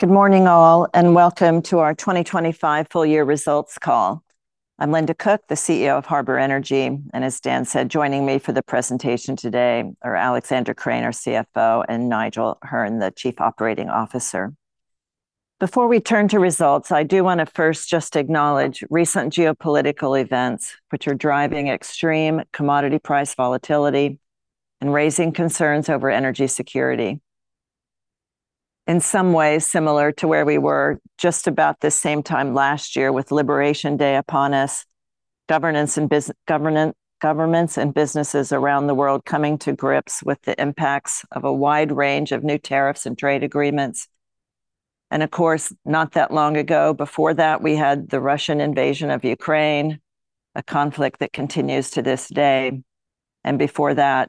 Good morning all, welcome to our 2025 full year results call. I'm Linda Cook, the CEO of Harbour Energy, and as Dan said, joining me for the presentation today are Alexander Krane, our CFO, and Nigel Hearne, the Chief Operating Officer. Before we turn to results, I do wanna first just acknowledge recent geopolitical events which are driving extreme commodity price volatility and raising concerns over energy security. In some ways, similar to where we were just about this same time last year with Liberation Day upon us, governments and businesses around the world coming to grips with the impacts of a wide range of new tariffs and trade agreements. Of course, not that long ago before that, we had the Russian invasion of Ukraine, a conflict that continues to this day. Before that,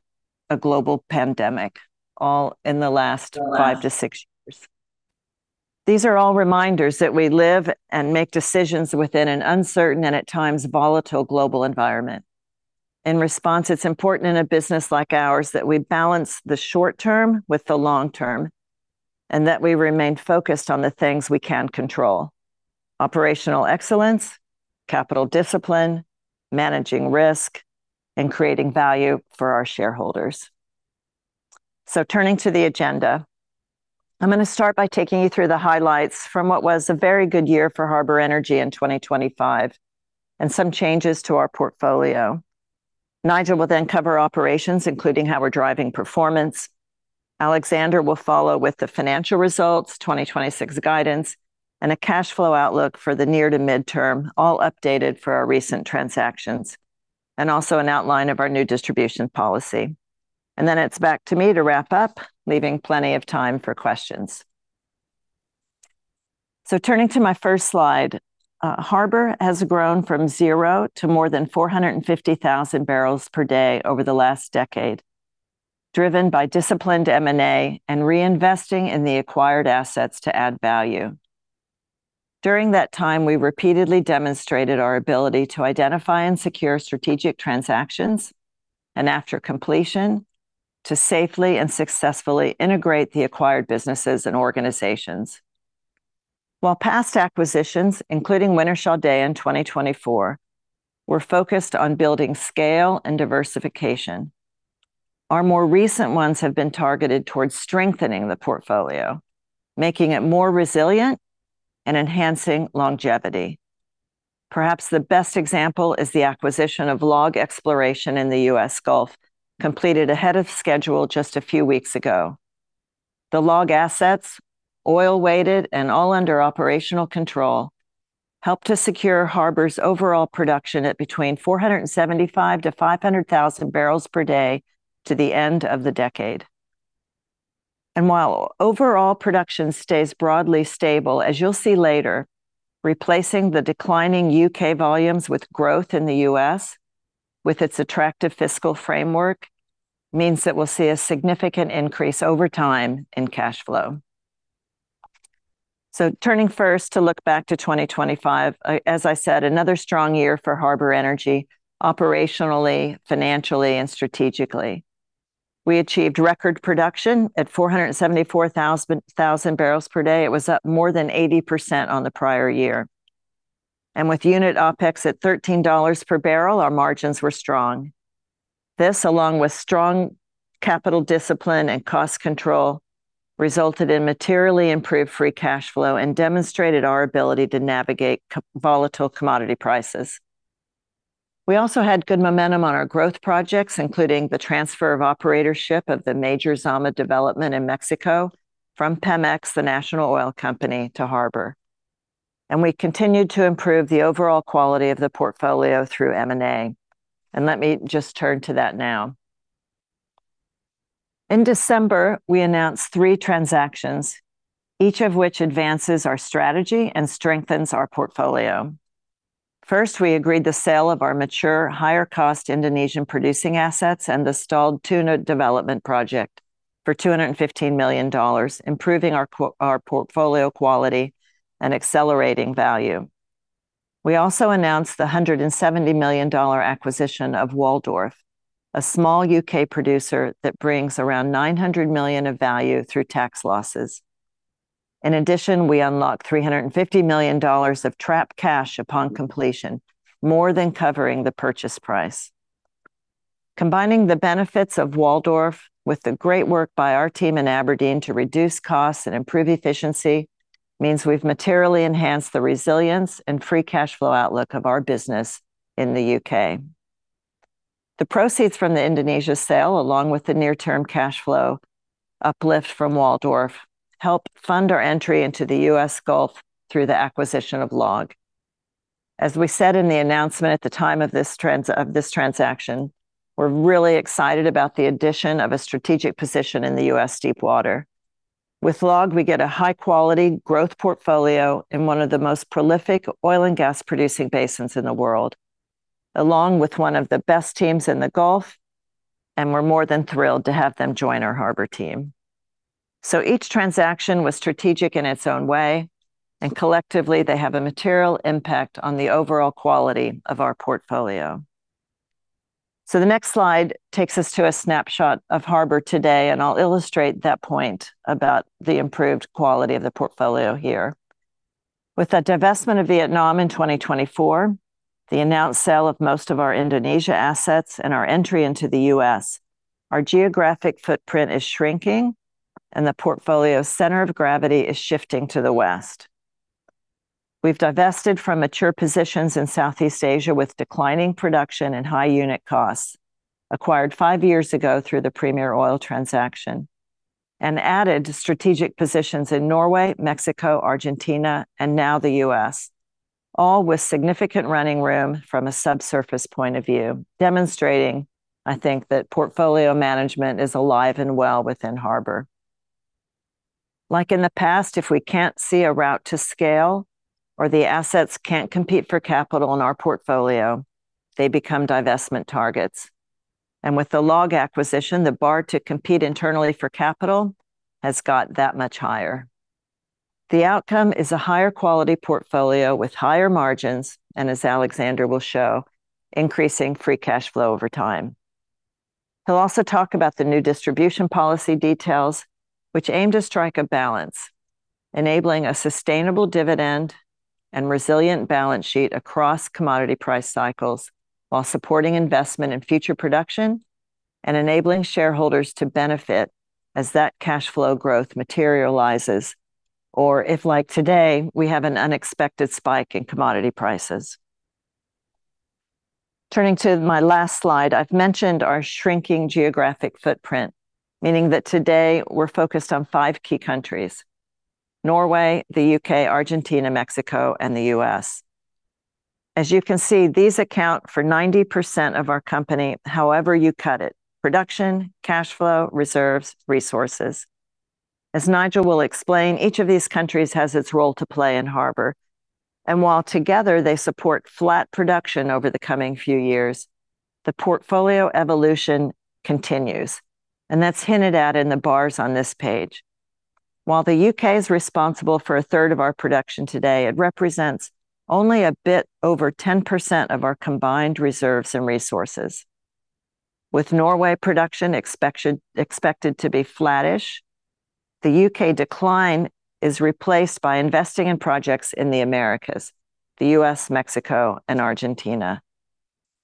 a global pandemic, all in the last 5 years-6 years. These are all reminders that we live and make decisions within an uncertain and at times volatile global environment. In response, it's important in a business like ours that we balance the short term with the long term, and that we remain focused on the things we can control. Operational excellence, capital discipline, managing risk, and creating value for our shareholders. Turning to the agenda, I'm gonna start by taking you through the highlights from what was a very good year for Harbour Energy in 2025, and some changes to our portfolio. Nigel will cover operations, including how we're driving performance. Alexander will follow with the financial results, 2026 guidance, and a cash flow outlook for the near to midterm, all updated for our recent transactions, and also an outline of our new distribution policy. Then it's back to me to wrap up, leaving plenty of time for questions. Turning to my first slide, Harbour has grown from zero to more than 450,000 barrels per day over the last decade, driven by disciplined M&A and reinvesting in the acquired assets to add value. During that time, we repeatedly demonstrated our ability to identify and secure strategic transactions, and after completion, to safely and successfully integrate the acquired businesses and organizations. While past acquisitions, including Wintershall Dea in 2024, were focused on building scale and diversification, our more recent ones have been targeted towards strengthening the portfolio, making it more resilient and enhancing longevity. Perhaps the best example is the acquisition of LLOG Exploration in the U.S. Gulf, completed ahead of schedule just a few weeks ago. The LLOG assets, oil weighted and all under operational control, help to secure Harbour's overall production at between 475thousand barrels-500 thousand barrels per day to the end of the decade. While overall production stays broadly stable, as you'll see later, replacing the declining U.K. volumes with growth in the U.S. with its attractive fiscal framework means that we'll see a significant increase over time in cash flow. Turning first to look back to 2025, as I said, another strong year for Harbour Energy, operationally, financially, and strategically. We achieved record production at 474,000 barrels per day. It was up more than 80% on the prior year. With unit OpEx at $13 per barrel, our margins were strong. This, along with strong capital discipline and cost control, resulted in materially improved free cash flow and demonstrated our ability to navigate co- volatile commodity prices. We also had good momentum on our growth projects, including the transfer of operatorship of the major Zama development in Mexico from Pemex, the national oil company, to Harbour. We continued to improve the overall quality of the portfolio through M&A. Let me just turn to that now. In December, we announced three transactions, each of which advances our strategy and strengthens our portfolio. First, we agreed the sale of our mature, higher-cost Indonesian producing assets and the stalled Tuna development project for $215 million, improving our portfolio quality and accelerating value. We also announced the $170 million acquisition of Waldorf, a small U.K. producer that brings around $900 million of value through tax losses. In addition, we unlocked $350 million of trapped cash upon completion, more than covering the purchase price. Combining the benefits of Waldorf with the great work by our team in Aberdeen to reduce costs and improve efficiency means we've materially enhanced the resilience and free cash flow outlook of our business in the U.K. The proceeds from the Indonesia sale, along with the near term cash flow uplift from Waldorf, help fund our entry into the U.S. Gulf through the acquisition of LLOG. As we said in the announcement at the time of this transaction, we're really excited about the addition of a strategic position in the U.S. deepwater. With LLOG, we get a high-quality growth portfolio in one of the most prolific oil and gas-producing basins in the world, along with one of the best teams in the Gulf, and we're more than thrilled to have them join our Harbour team. Each transaction was strategic in its own way, and collectively they have a material impact on the overall quality of our portfolio. The next slide takes us to a snapshot of Harbour today, and I'll illustrate that point about the improved quality of the portfolio here. With the divestment of Vietnam in 2024, the announced sale of most of our Indonesia assets and our entry into the U.S., our geographic footprint is shrinking, and the portfolio's center of gravity is shifting to the West. We've divested from mature positions in Southeast Asia with declining production and high unit costs, acquired five years ago through the Premier Oil transaction, and added strategic positions in Norway, Mexico, Argentina, and now the U.S., all with significant running room from a subsurface point of view, demonstrating, I think, that portfolio management is alive and well within Harbour. Like in the past, if we can't see a route to scale or the assets can't compete for capital in our portfolio, they become divestment targets. With the LLOG acquisition, the bar to compete internally for capital has got that much higher. The outcome is a higher quality portfolio with higher margins, and as Alexander will show, increasing free cash flow over time. He'll also talk about the new distribution policy details which aim to strike a balance, enabling a sustainable dividend and resilient balance sheet across commodity price cycles while supporting investment in future production and enabling shareholders to benefit as that cash flow growth materializes, or if, like today, we have an unexpected spike in commodity prices. Turning to my last slide, I've mentioned our shrinking geographic footprint, meaning that today we're focused on five key countries, Norway, the UK, Argentina, Mexico, and the US. As you can see, these account for 90% of our company however you cut it, production, cash flow, reserves, resources. As Nigel will explain, each of these countries has its role to play in Harbour. While together they support flat production over the coming few years, the portfolio evolution continues, and that's hinted at in the bars on this page. While the UK is responsible for 1/3 of our production today, it represents only a bit over 10% of our combined reserves and resources. With Norway production expected to be flattish, the UK decline is replaced by investing in projects in the Americas, the U.S., Mexico, and Argentina.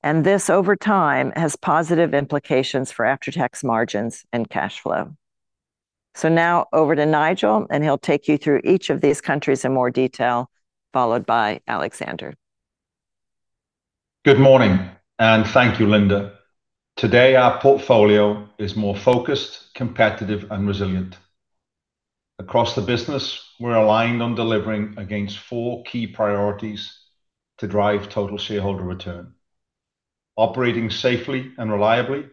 This, over time, has positive implications for after-tax margins and cash flow. Now over to Nigel, and he'll take you through each of these countries in more detail, followed by Alexander. Good morning, and thank you, Linda. Today, our portfolio is more focused, competitive, and resilient. Across the business, we're aligned on delivering against four key priorities to drive total shareholder return. Operating safely and reliably,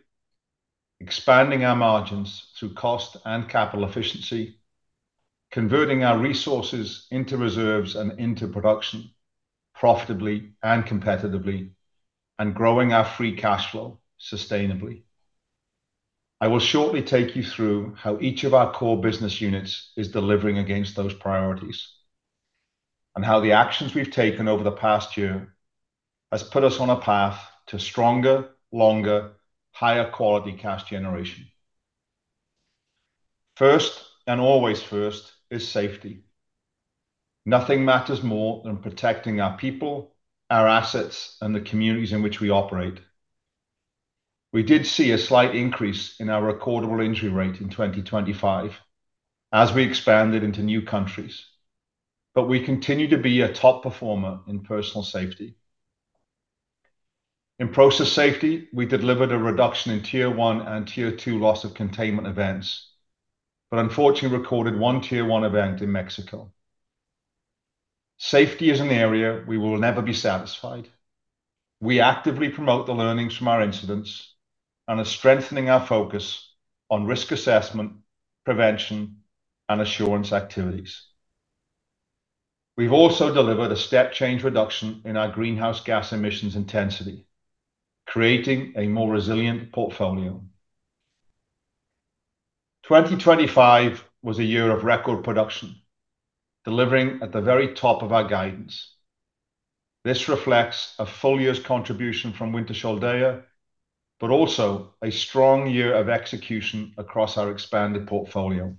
expanding our margins through cost and capital efficiency, converting our resources into reserves and into production profitably and competitively, and growing our free cash flow sustainably. I will shortly take you through how each of our core business units is delivering against those priorities, and how the actions we've taken over the past year has put us on a path to stronger, longer, higher quality cash generation. First, and always first, is safety. Nothing matters more than protecting our people, our assets, and the communities in which we operate. We did see a slight increase in our recordable injury rate in 2025 as we expanded into new countries. We continue to be a top performer in personal safety. In process safety, we delivered a reduction in Tier one and Tier two loss of containment events. Unfortunately recorded one Tier one event in Mexico. Safety is an area we will never be satisfied. We actively promote the learnings from our incidents and are strengthening our focus on risk assessment, prevention, and assurance activities. We've also delivered a step change reduction in our greenhouse gas emissions intensity, creating a more resilient portfolio. 2025 was a year of record production, delivering at the very top of our guidance. This reflects a full year's contribution from Wintershall Dea, but also a strong year of execution across our expanded portfolio.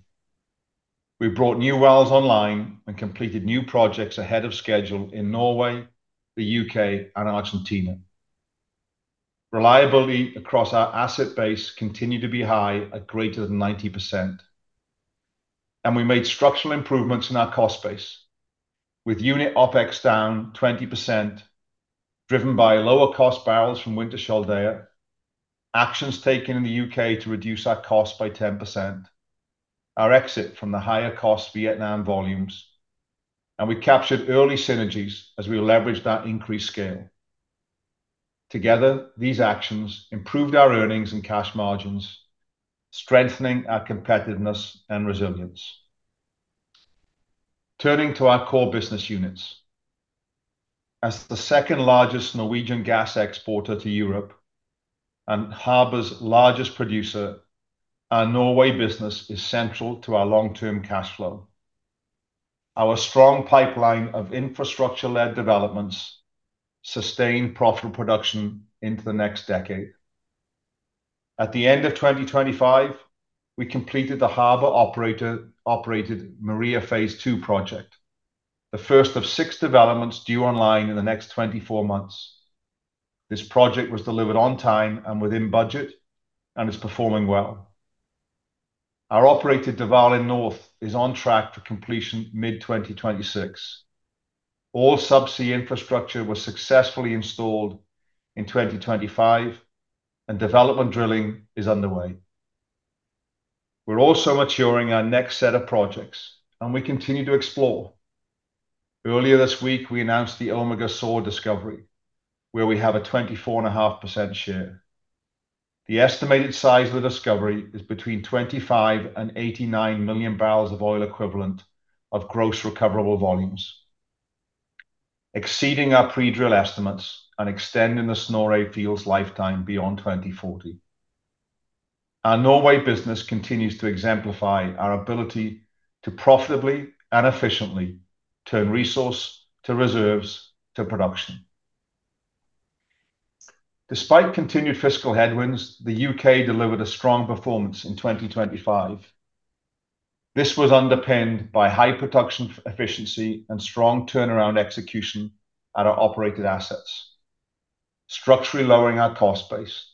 We brought new wells online and completed new projects ahead of schedule in Norway, the U.K., and Argentina. Reliability across our asset base continued to be high at greater than 90%. We made structural improvements in our cost base, with unit OpEx down 20%, driven by lower cost barrels from Wintershall Dea, actions taken in the UK to reduce our cost by 10%, our exit from the higher-cost Vietnam volumes, and we captured early synergies as we leveraged that increased scale. Together, these actions improved our earnings and cash margins, strengthening our competitiveness and resilience. Turning to our core business units. As the second-largest Norwegian gas exporter to Europe and Harbour's largest producer, our Norway business is central to our long-term cash flow. Our strong pipeline of infrastructure-led developments sustain profitable production into the next decade. At the end of 2025, we completed the Harbour operated Maria Phase Two project, the first of 6 developments due online in the next 24 months. This project was delivered on time and within budget, and is performing well. Our operated Dvalin North is on track for completion mid-2026. All subsea infrastructure was successfully installed in 2025, and development drilling is underway. We're also maturing our next set of projects, and we continue to explore. Earlier this week, we announced the Omega Sør discovery, where we have a 24.5% share. The estimated size of the discovery is between 25 and 89 million barrels of oil equivalent of gross recoverable volumes, exceeding our pre-drill estimates and extending the Snorre field's lifetime beyond 2040. Our Norway business continues to exemplify our ability to profitably and efficiently turn resource to reserves to production. Despite continued fiscal headwinds, the U.K. delivered a strong performance in 2025. This was underpinned by high production efficiency and strong turnaround execution at our operated assets, structurally lowering our cost base.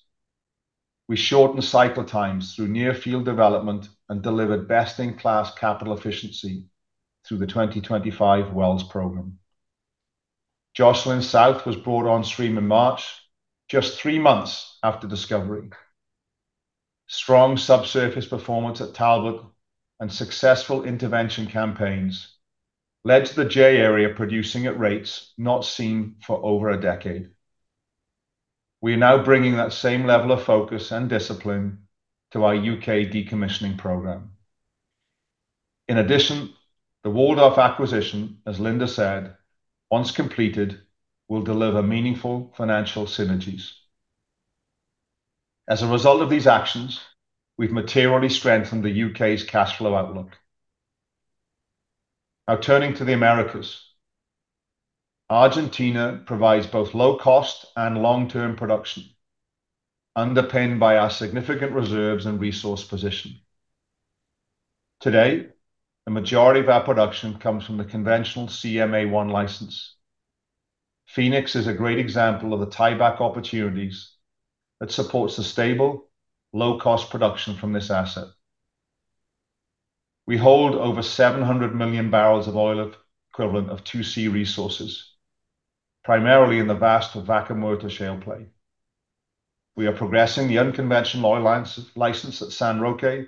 We shortened cycle times through near-field development and delivered best-in-class capital efficiency through the 2025 wells program. Jocelyn South was brought on stream in March, just three months after discovery. Strong subsurface performance at Taggart and successful intervention campaigns led to the J Area producing at rates not seen for over a decade. We are now bringing that same level of focus and discipline to our U.K. decommissioning program. The Waldorf acquisition, as Linda said, once completed, will deliver meaningful financial synergies. As a result of these actions, we've materially strengthened the U.K.'s cash flow outlook. Turning to the Americas. Argentina provides both low cost and long-term production, underpinned by our significant reserves and resource position. Today, a majority of our production comes from the conventional CMA-1 license. Phoenix is a great example of the tieback opportunities that supports the stable, low-cost production from this asset. We hold over 700 million barrels of oil equivalent of 2C resources, primarily in the vast Vaca Muerta shale play. We are progressing the unconventional oil license at San Roque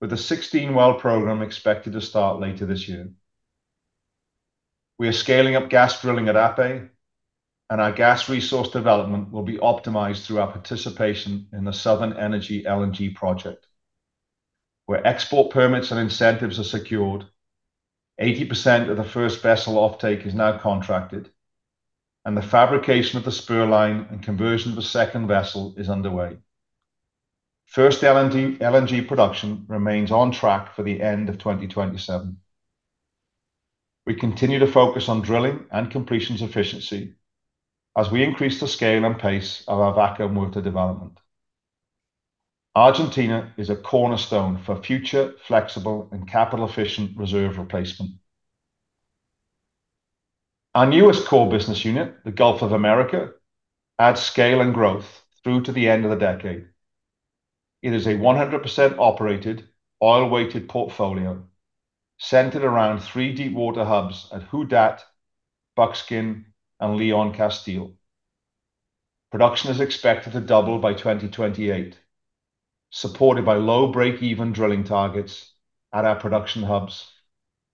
with a 16-well program expected to start later this year. We are scaling up gas drilling at Apeh, and our gas resource development will be optimized through our participation in the Southern Energy LNG project, where export permits and incentives are secured. 80% of the first vessel offtake is now contracted, and the fabrication of the spur line and conversion of a second vessel is underway. First LNG production remains on track for the end of 2027. We continue to focus on drilling and completions efficiency as we increase the scale and pace of our Vaca Muerta development. Argentina is a cornerstone for future flexible and capital-efficient reserve replacement. Our newest core business unit, the Gulf of Mexico, adds scale and growth through to the end of the decade. It is a 100% operated oil-weighted portfolio centered around three deepwater hubs at Who Dat, Buckskin, and Leon Castile. Production is expected to double by 2028, supported by low break-even drilling targets at our production hubs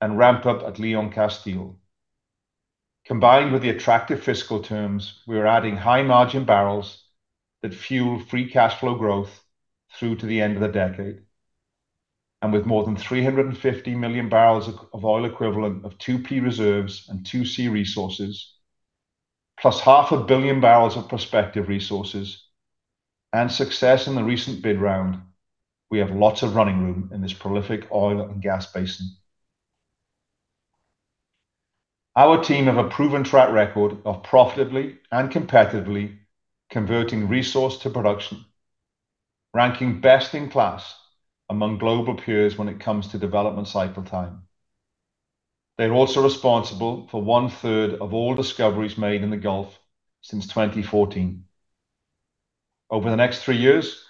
and ramp up at Leon Castile. Combined with the attractive fiscal terms, we are adding high-margin barrels that fuel free cash flow growth through to the end of the decade. With more than 350 million barrels of oil equivalent of 2P reserves and 2C resources, plus half a billion barrels of prospective resources and success in the recent bid round, we have lots of running room in this prolific oil and gas basin. Our team have a proven track record of profitably and competitively converting resource to production, ranking best in class among global peers when it comes to development cycle time. They're also responsible for 1/3 of all discoveries made in the Gulf since 2014. Over the next three years,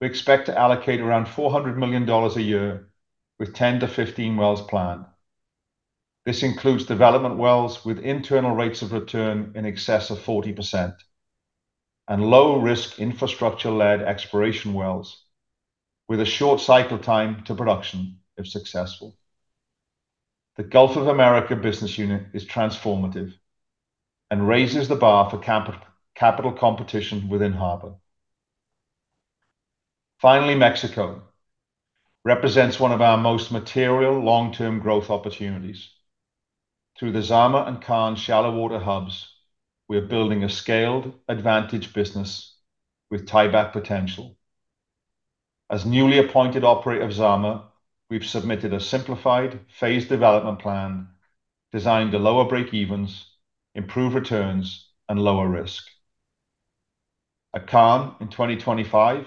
we expect to allocate around $400 million a year with 10-15 wells planned. This includes development wells with internal rates of return in excess of 40% and low-risk infrastructure-led exploration wells with a short cycle time to production if successful. The Gulf of Mexico business unit is transformative and raises the bar for capital competition within Harbour. Mexico represents one of our most material long-term growth opportunities. Through the Zama and Khan shallow water hubs, we are building a scaled advantage business with tieback potential. As newly appointed operator of Zama, we've submitted a simplified phase development plan designed to lower breakevens, improve returns, and lower risk. At Khan in 2025,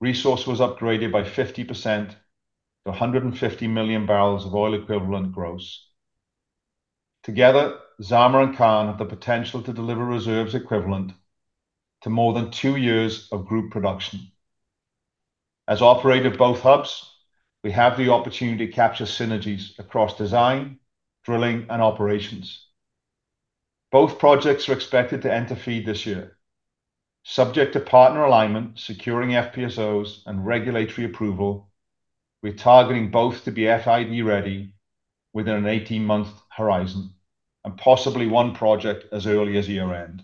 resource was upgraded by 50% to 150 million barrels of oil equivalent gross. Zama and Khan have the potential to deliver reserves equivalent to more than two years of group production. As operator of both hubs, we have the opportunity to capture synergies across design, drilling, and operations. Both projects are expected to enter FEED this year. Subject to partner alignment, securing FPSOs, and regulatory approval, we're targeting both to be FID-ready within an 18-month horizon, and possibly one project as early as year-end.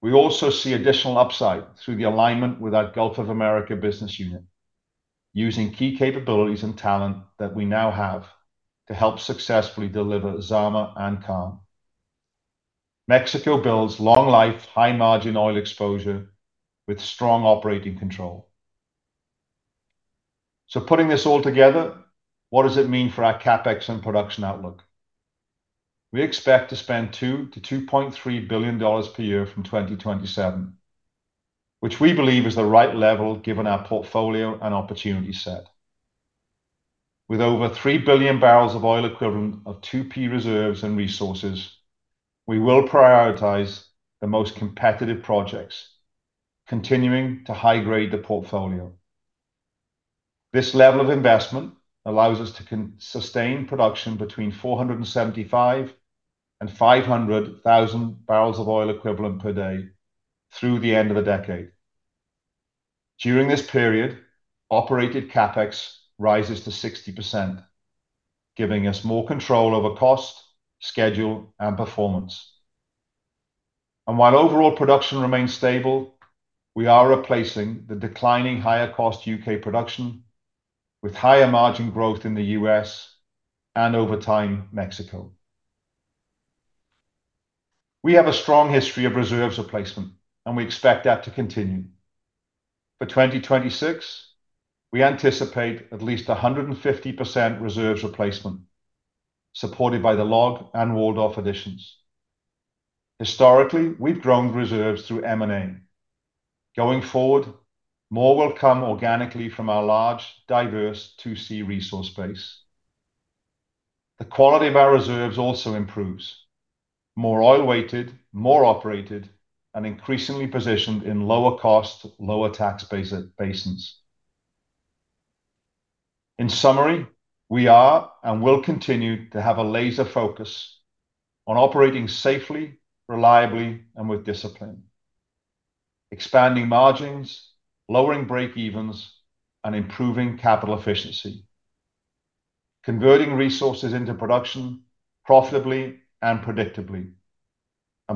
We also see additional upside through the alignment with our Gulf of Mexico business unit, using key capabilities and talent that we now have to help successfully deliver Zama and Khan. Mexico builds long life, high margin oil exposure with strong operating control. Putting this all together, what does it mean for our CapEx and production outlook? We expect to spend $2 billion-$2.3 billion per year from 2027, which we believe is the right level given our portfolio and opportunity set. With over 3 billion barrels of oil equivalent of 2P reserves and resources, we will prioritize the most competitive projects, continuing to high-grade the portfolio. This level of investment allows us to sustain production between 475,000 and 500,000 barrels of oil equivalent per day through the end of the decade. During this period, operated CapEx rises to 60%, giving us more control over cost, schedule, and performance. While overall production remains stable, we are replacing the declining higher cost UK production with higher margin growth in the US and, over time, Mexico. We have a strong history of reserves replacement, and we expect that to continue. For 2026, we anticipate at least 150% reserves replacement, supported by the LLOG and Waldorf additions. Historically, we've grown reserves through M&A. Going forward, more will come organically from our large, diverse 2C resource base. The quality of our reserves also improves. More oil-weighted, more operated, and increasingly positioned in lower cost, lower tax basins. In summary, we are and will continue to have a laser focus on operating safely, reliably, and with discipline. Expanding margins, lowering breakevens, and improving capital efficiency. Converting resources into production profitably and predictably.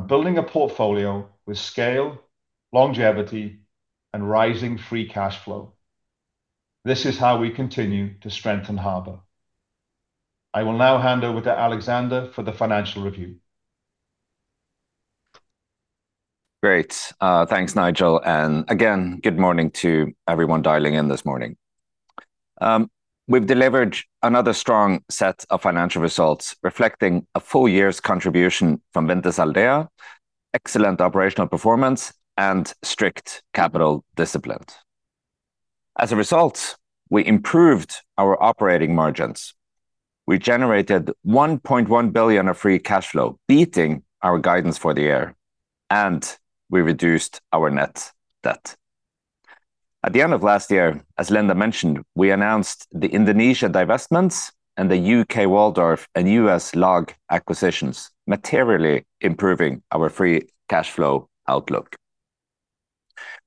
Building a portfolio with scale, longevity, and rising free cash flow. This is how we continue to strengthen Harbour. I will now hand over to Alexander for the financial review. Great. Thanks, Nigel. Again, good morning to everyone dialing in this morning. We've delivered another strong set of financial results reflecting a full year's contribution from Wintershall Dea, excellent operational performance, and strict capital discipline. As a result, we improved our operating margins. We generated $1.1 billion of free cash flow, beating our guidance for the year, and we reduced our net debt. At the end of last year, as Linda mentioned, we announced the Indonesia divestments and the U.K. Waldorf and U.S. LLOG acquisitions, materially improving our free cash flow outlook.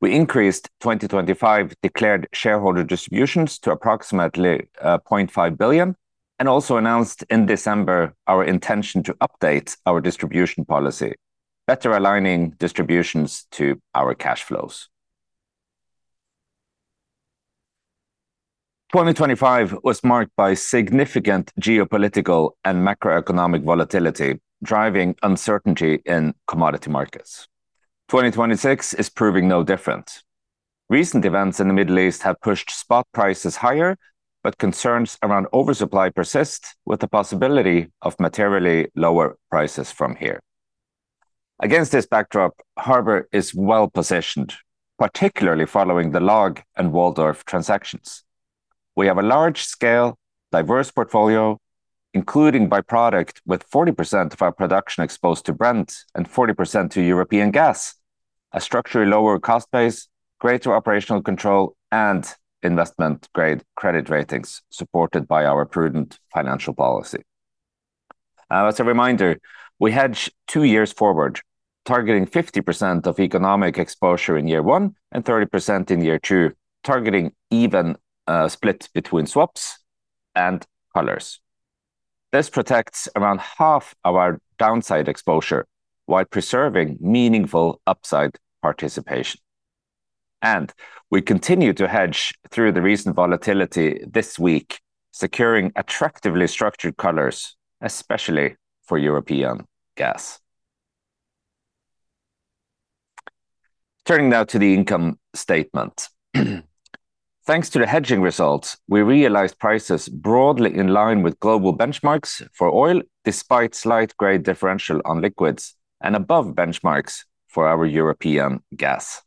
We increased 2025 declared shareholder distributions to approximately $0.5 billion, and also announced in December our intention to update our distribution policy, better aligning distributions to our cash flows. 2025 was marked by significant geopolitical and macroeconomic volatility, driving uncertainty in commodity markets. 2026 is proving no different. Recent events in the Middle East have pushed spot prices higher. Concerns around oversupply persist with the possibility of materially lower prices from here. Against this backdrop, Harbour is well-positioned, particularly following the LLOG and Waldorf transactions. We have a large-scale, diverse portfolio, including by-product with 40% of our production exposed to Brent and 40% to European gas. A structurally lower cost base, greater operational control, and investment-grade credit ratings supported by our prudent financial policy. As a reminder, we hedged two years forward, targeting 50% of economic exposure in year one and 30% in year two, targeting even split between swaps and collars. This protects around half of our downside exposure while preserving meaningful upside participation. We continue to hedge through the recent volatility this week, securing attractively structured collars, especially for European gas. Turning now to the income statement. Thanks to the hedging results, we realized prices broadly in line with global benchmarks for oil despite slight grade differential on liquids and above benchmarks for our European gas.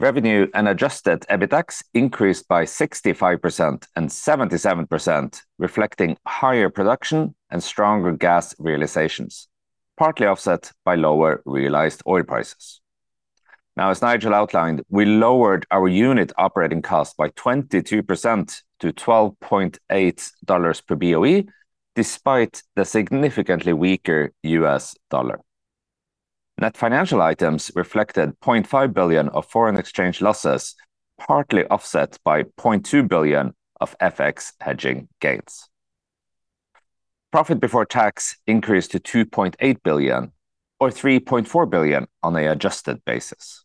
Revenue and adjusted EBITDA increased by 65% and 77%, reflecting higher production and stronger gas realizations, partly offset by lower realized oil prices. Now, as Nigel outlined, we lowered our unit operating costs by 22% to $12.8 per BOE despite the significantly weaker US dollar. Net financial items reflected $0.5 billion of foreign exchange losses, partly offset by $0.2 billion of FX hedging gains. Profit before tax increased to $2.8 billion or $3.4 billion on an adjusted basis.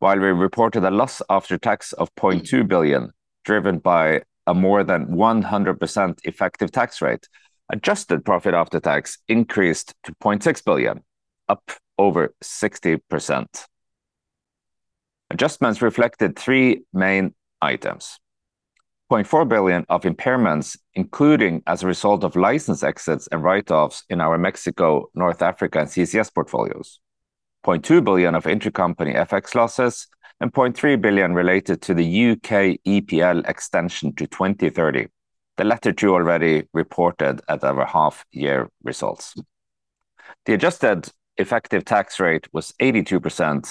While we reported a loss after tax of $0.2 billion, driven by a more than 100% effective tax rate, adjusted profit after tax increased to $0.6 billion, up over 60%. Adjustments reflected three main items: $0.4 billion of impairments, including as a result of license exits and write-offs in our Mexico, North Africa, and CCS portfolios, $0.2 billion of intra-company FX losses, and $0.3 billion related to the UK EPL extension to 2030. The latter two already reported at our half year results. The adjusted effective tax rate was 82%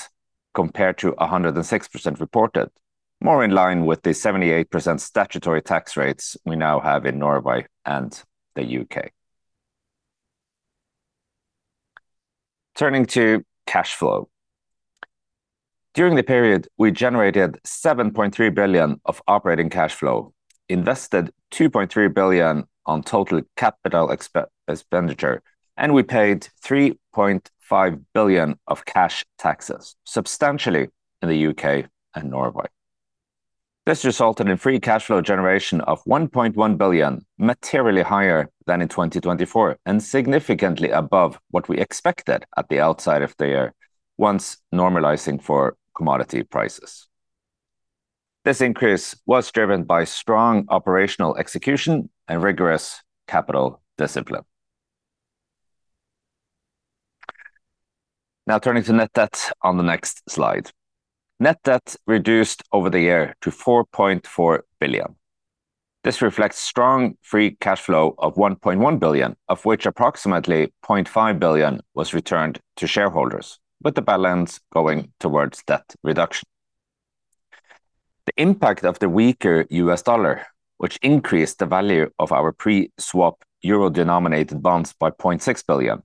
compared to 106% reported, more in line with the 78% statutory tax rates we now have in Norway and the UK. Turning to cash flow. During the period, we generated $7.3 billion of operating cash flow, invested $2.3 billion on total capital expenditure. We paid $3.5 billion of cash taxes, substantially in the U.K. and Norway. This resulted in free cash flow generation of $1.1 billion, materially higher than in 2024. Significantly above what we expected at the outset of the year once normalizing for commodity prices. This increase was driven by strong operational execution and rigorous capital discipline. Turning to net debt on the next slide. Net debt reduced over the air to $4.4 billion. This reflects strong free cash flow of $1.1 billion, of which approximately $0.5 billion was returned to shareholders, with the balance going towards debt reduction. The impact of the weaker US dollar, which increased the value of our pre-swap euro-denominated bonds by $0.6 billion,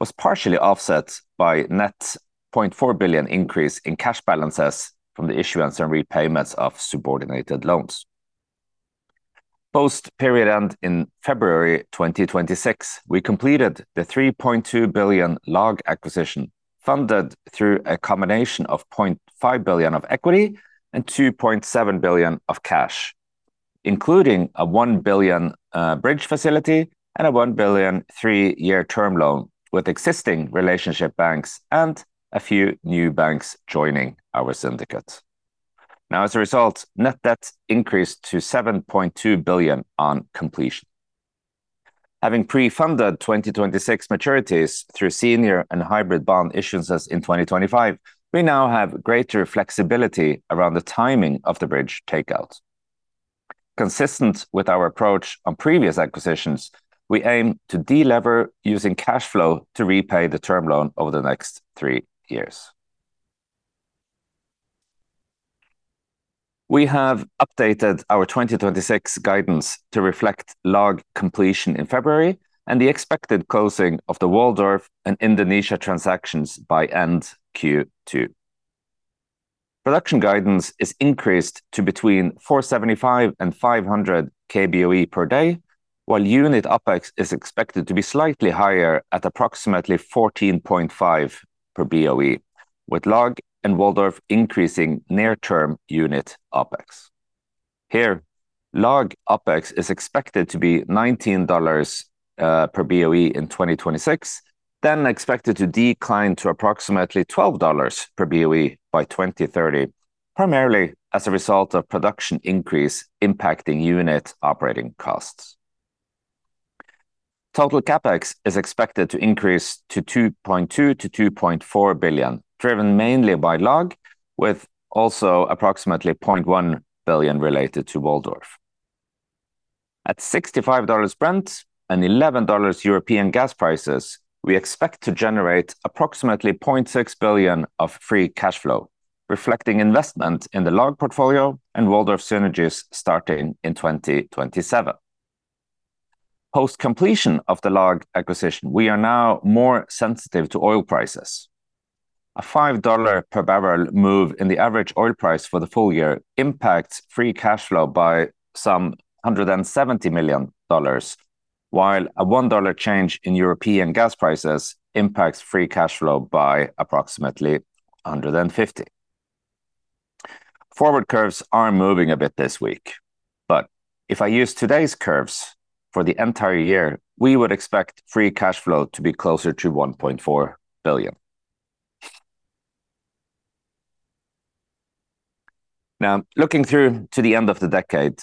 was partially offset by net $0.4 billion increase in cash balances from the issuance and repayments of subordinated loans. Post-period end in February 2026, we completed the $3.2 billion LLOG acquisition, funded through a combination of $0.5 billion of equity and $2.7 billion of cash, including a $1 billion bridge facility and a $1 billion three-year term loan with existing relationship banks and a few new banks joining our syndicate. As a result, net debt increased to $7.2 billion on completion. Having pre-funded 2026 maturities through senior and hybrid bond issuances in 2025, we now have greater flexibility around the timing of the bridge takeout. Consistent with our approach on previous acquisitions, we aim to de-lever using cash flow to repay the term loan over the next three years. We have updated our 2026 guidance to reflect LLOG completion in February and the expected closing of the Waldorf Production and Indonesia transactions by end Q2. Production guidance is increased to between 475 and 500 kboe per day, while unit OpEx is expected to be slightly higher at approximately $14.5 per BOE, with LLOG and Waldorf Production increasing near-term unit OpEx. Here, LLOG OpEx is expected to be $19 per BOE in 2026, then expected to decline to approximately $12 per BOE by 2030, primarily as a result of production increase impacting unit operating costs. Total CapEx is expected to increase to $2.2 billion-$2.4 billion, driven mainly by LLOG, with also approximately $0.1 billion related to Waldorf. At $65 Brent and $11 European gas prices, we expect to generate approximately $0.6 billion of free cash flow, reflecting investment in the LLOG portfolio and Waldorf synergies starting in 2027. Post-completion of the LLOG acquisition, we are now more sensitive to oil prices. A $5 per barrel move in the average oil price for the full year impacts free cash flow by some $170 million, while a $1 change in European gas prices impacts free cash flow by approximately $150 million. Forward curves are moving a bit this week, but if I use today's curves for the entire year, we would expect free cash flow to be closer to $1.4 billion. Looking through to the end of the decade,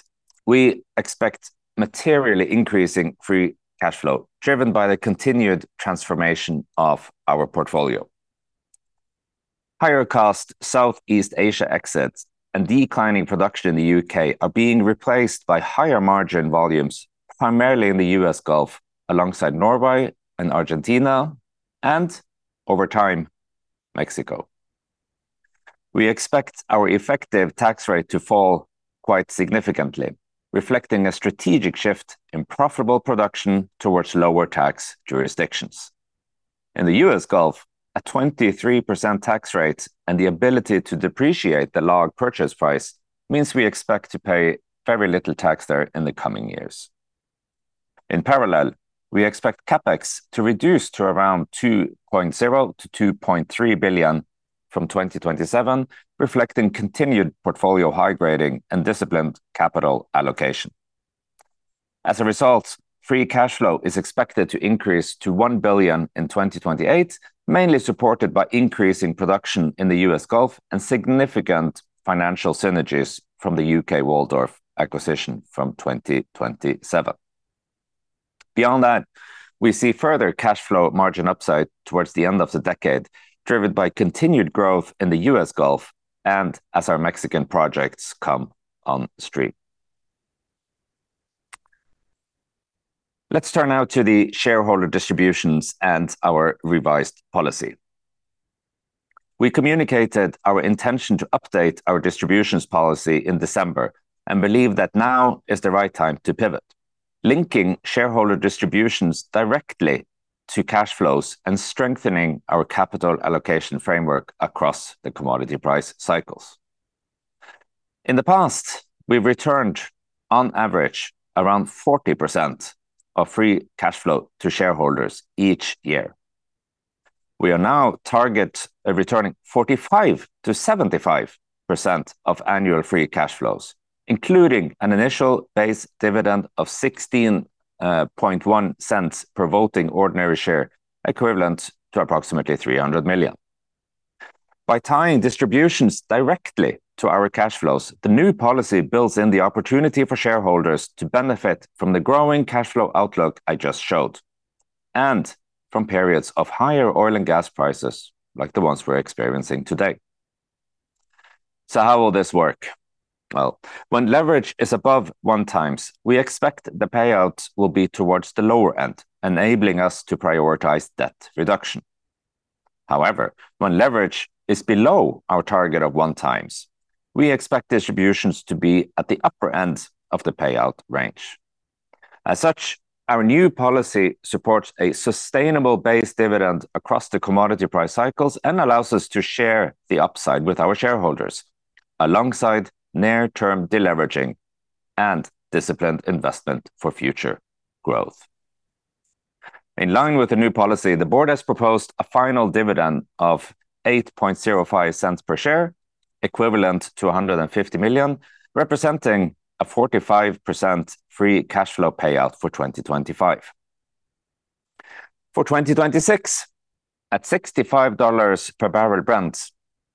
we expect materially increasing free cash flow driven by the continued transformation of our portfolio. Higher cost South East Asia exits and declining production in the UK are being replaced by higher margin volumes, primarily in the US Gulf alongside Norway and Argentina and over time, Mexico. We expect our effective tax rate to fall quite significantly, reflecting a strategic shift in profitable production towards lower tax jurisdictions. In the U.S. Gulf, a 23% tax rate and the ability to depreciate the LLOG purchase price means we expect to pay very little tax there in the coming years. In parallel, we expect CapEx to reduce to around $2.0 billion-$2.3 billion from 2027, reflecting continued portfolio high grading and disciplined capital allocation. As a result, free cash flow is expected to increase to $1 billion in 2028, mainly supported by increasing production in the U.S. Gulf and significant financial synergies from the U.K. Waldorf acquisition from 2027. Beyond that, we see further cash flow margin upside towards the end of the decade, driven by continued growth in the U.S. Gulf and as our Mexican projects come on stream. Let's turn now to the shareholder distributions and our revised policy. We communicated our intention to update our distributions policy in December and believe that now is the right time to pivot, linking shareholder distributions directly to cash flows and strengthening our capital allocation framework across the commodity price cycles. In the past, we've returned on average around 40% of free cash flow to shareholders each year. We are now target of returning 45%-75% of annual free cash flows, including an initial base dividend of $0.161 per voting ordinary share, equivalent to approximately $300 million. By tying distributions directly to our cash flows, the new policy builds in the opportunity for shareholders to benefit from the growing cash flow outlook I just showed, and from periods of higher oil and gas prices like the ones we're experiencing today. How will this work? Well, when leverage is above 1x, we expect the payouts will be towards the lower end, enabling us to prioritize debt reduction. However, when leverage is below our target of 1x, we expect distributions to be at the upper end of the payout range. As such, our new policy supports a sustainable base dividend across the commodity price cycles and allows us to share the upside with our shareholders alongside near-term deleveraging and disciplined investment for future growth. In line with the new policy, the board has proposed a final dividend of $0.0805 per share, equivalent to $150 million, representing a 45% free cash flow payout for 2025. For 2026, at $65 per barrel Brent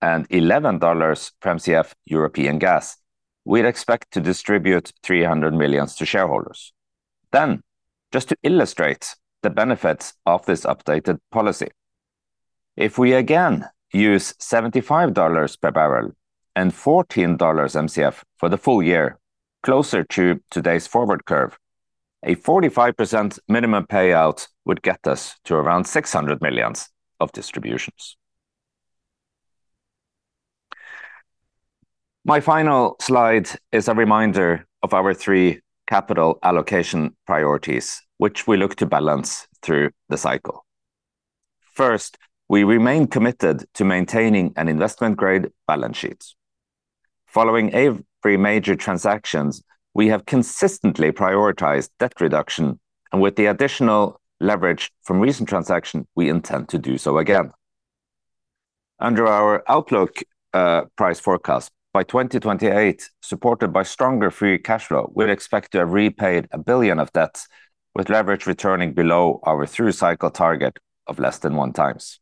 and $11 per MCF European gas, we'd expect to distribute $300 million to shareholders. Just to illustrate the benefits of this updated policy, if we again use $75 per barrel and $14 MCF for the full year, closer to today's forward curve, a 45% minimum payout would get us to around $600 million of distributions. My final slide is a reminder of our three capital allocation priorities, which we look to balance through the cycle. First, we remain committed to maintaining an investment-grade balance sheet. Following every major transactions, we have consistently prioritized debt reduction, and with the additional leverage from recent transaction, we intend to do so again. Under our outlook, price forecast, by 2028, supported by stronger free cash flow, we'll expect to have repaid $1 billion of debt with leverage returning below our through-cycle target of less than 1 times.